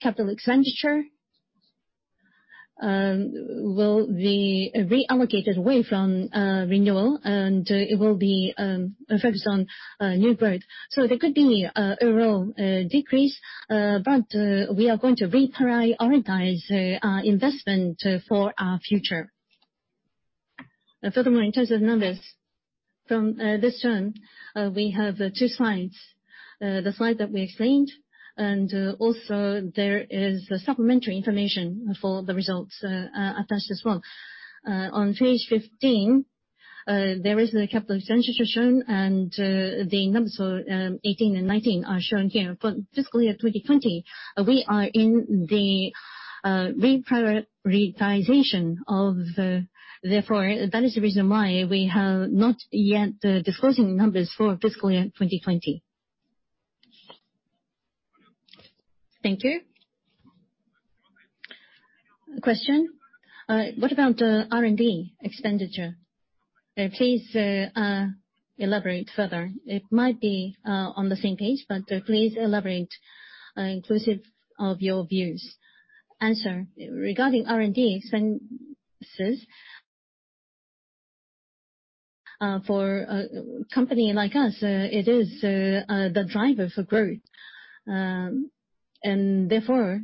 capital expenditure. Will be reallocated away from renewal. It will be focused on new growth. There could be a real decrease. We are going to reprioritize our investment for our future. Furthermore, in terms of numbers, from this term, we have two slides. The slide that we explained. Also, there is supplementary information for the results attached as well. On page 15, there is a capital expenditure shown. The numbers for 2018 and 2019 are shown here. For fiscal year 2020. That is the reason why we have not yet disclosing numbers for fiscal year 2020. Thank you. Question. What about the R&D expenditure? Please elaborate further. It might be on the same page. Please elaborate, inclusive of your views. Answer. Regarding R&D expenses, for a company like us, it is the driver for growth, therefore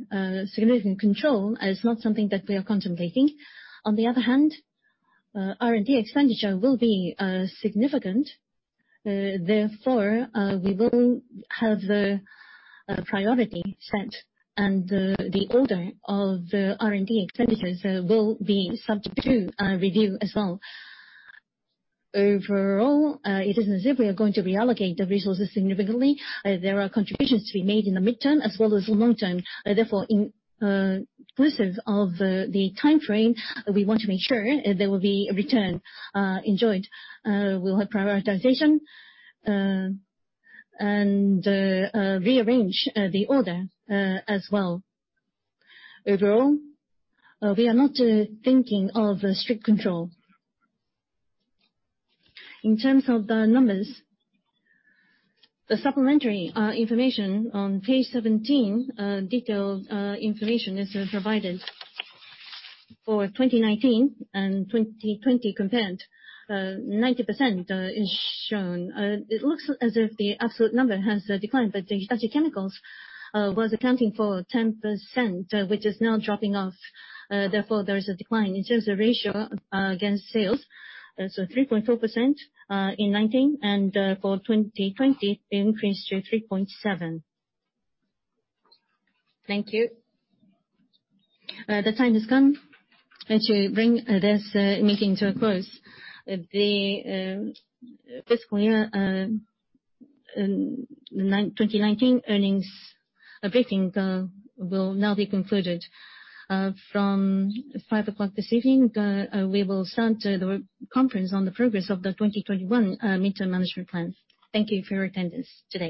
significant control is not something that we are contemplating. On the other hand, R&D expenditure will be significant. Therefore, we will have a priority set, the order of R&D expenditures will be subject to review as well. Overall, it isn't as if we are going to reallocate the resources significantly. There are contributions to be made in the midterm as well as the long term. Therefore, inclusive of the timeframe, we want to make sure there will be a return enjoyed. We will have prioritization, rearrange the order as well. Overall, we are not thinking of strict control. In terms of the numbers, the supplementary information on page 17, detailed information is provided. For 2019 and 2020 compared, 90% is shown. It looks as if the absolute number has declined, but the Specialty Chemicals was accounting for 10%, which is now dropping off. Therefore, there is a decline. In terms of ratio against sales, so 3.4% in 2019, and for 2020 it increased to 3.7%. Thank you. The time has come to bring this meeting to a close. The fiscal year 2019 earnings briefing will now be concluded. From 5:00 this evening, we will start the conference on the progress of the 2021 midterm management plan. Thank you for your attendance today.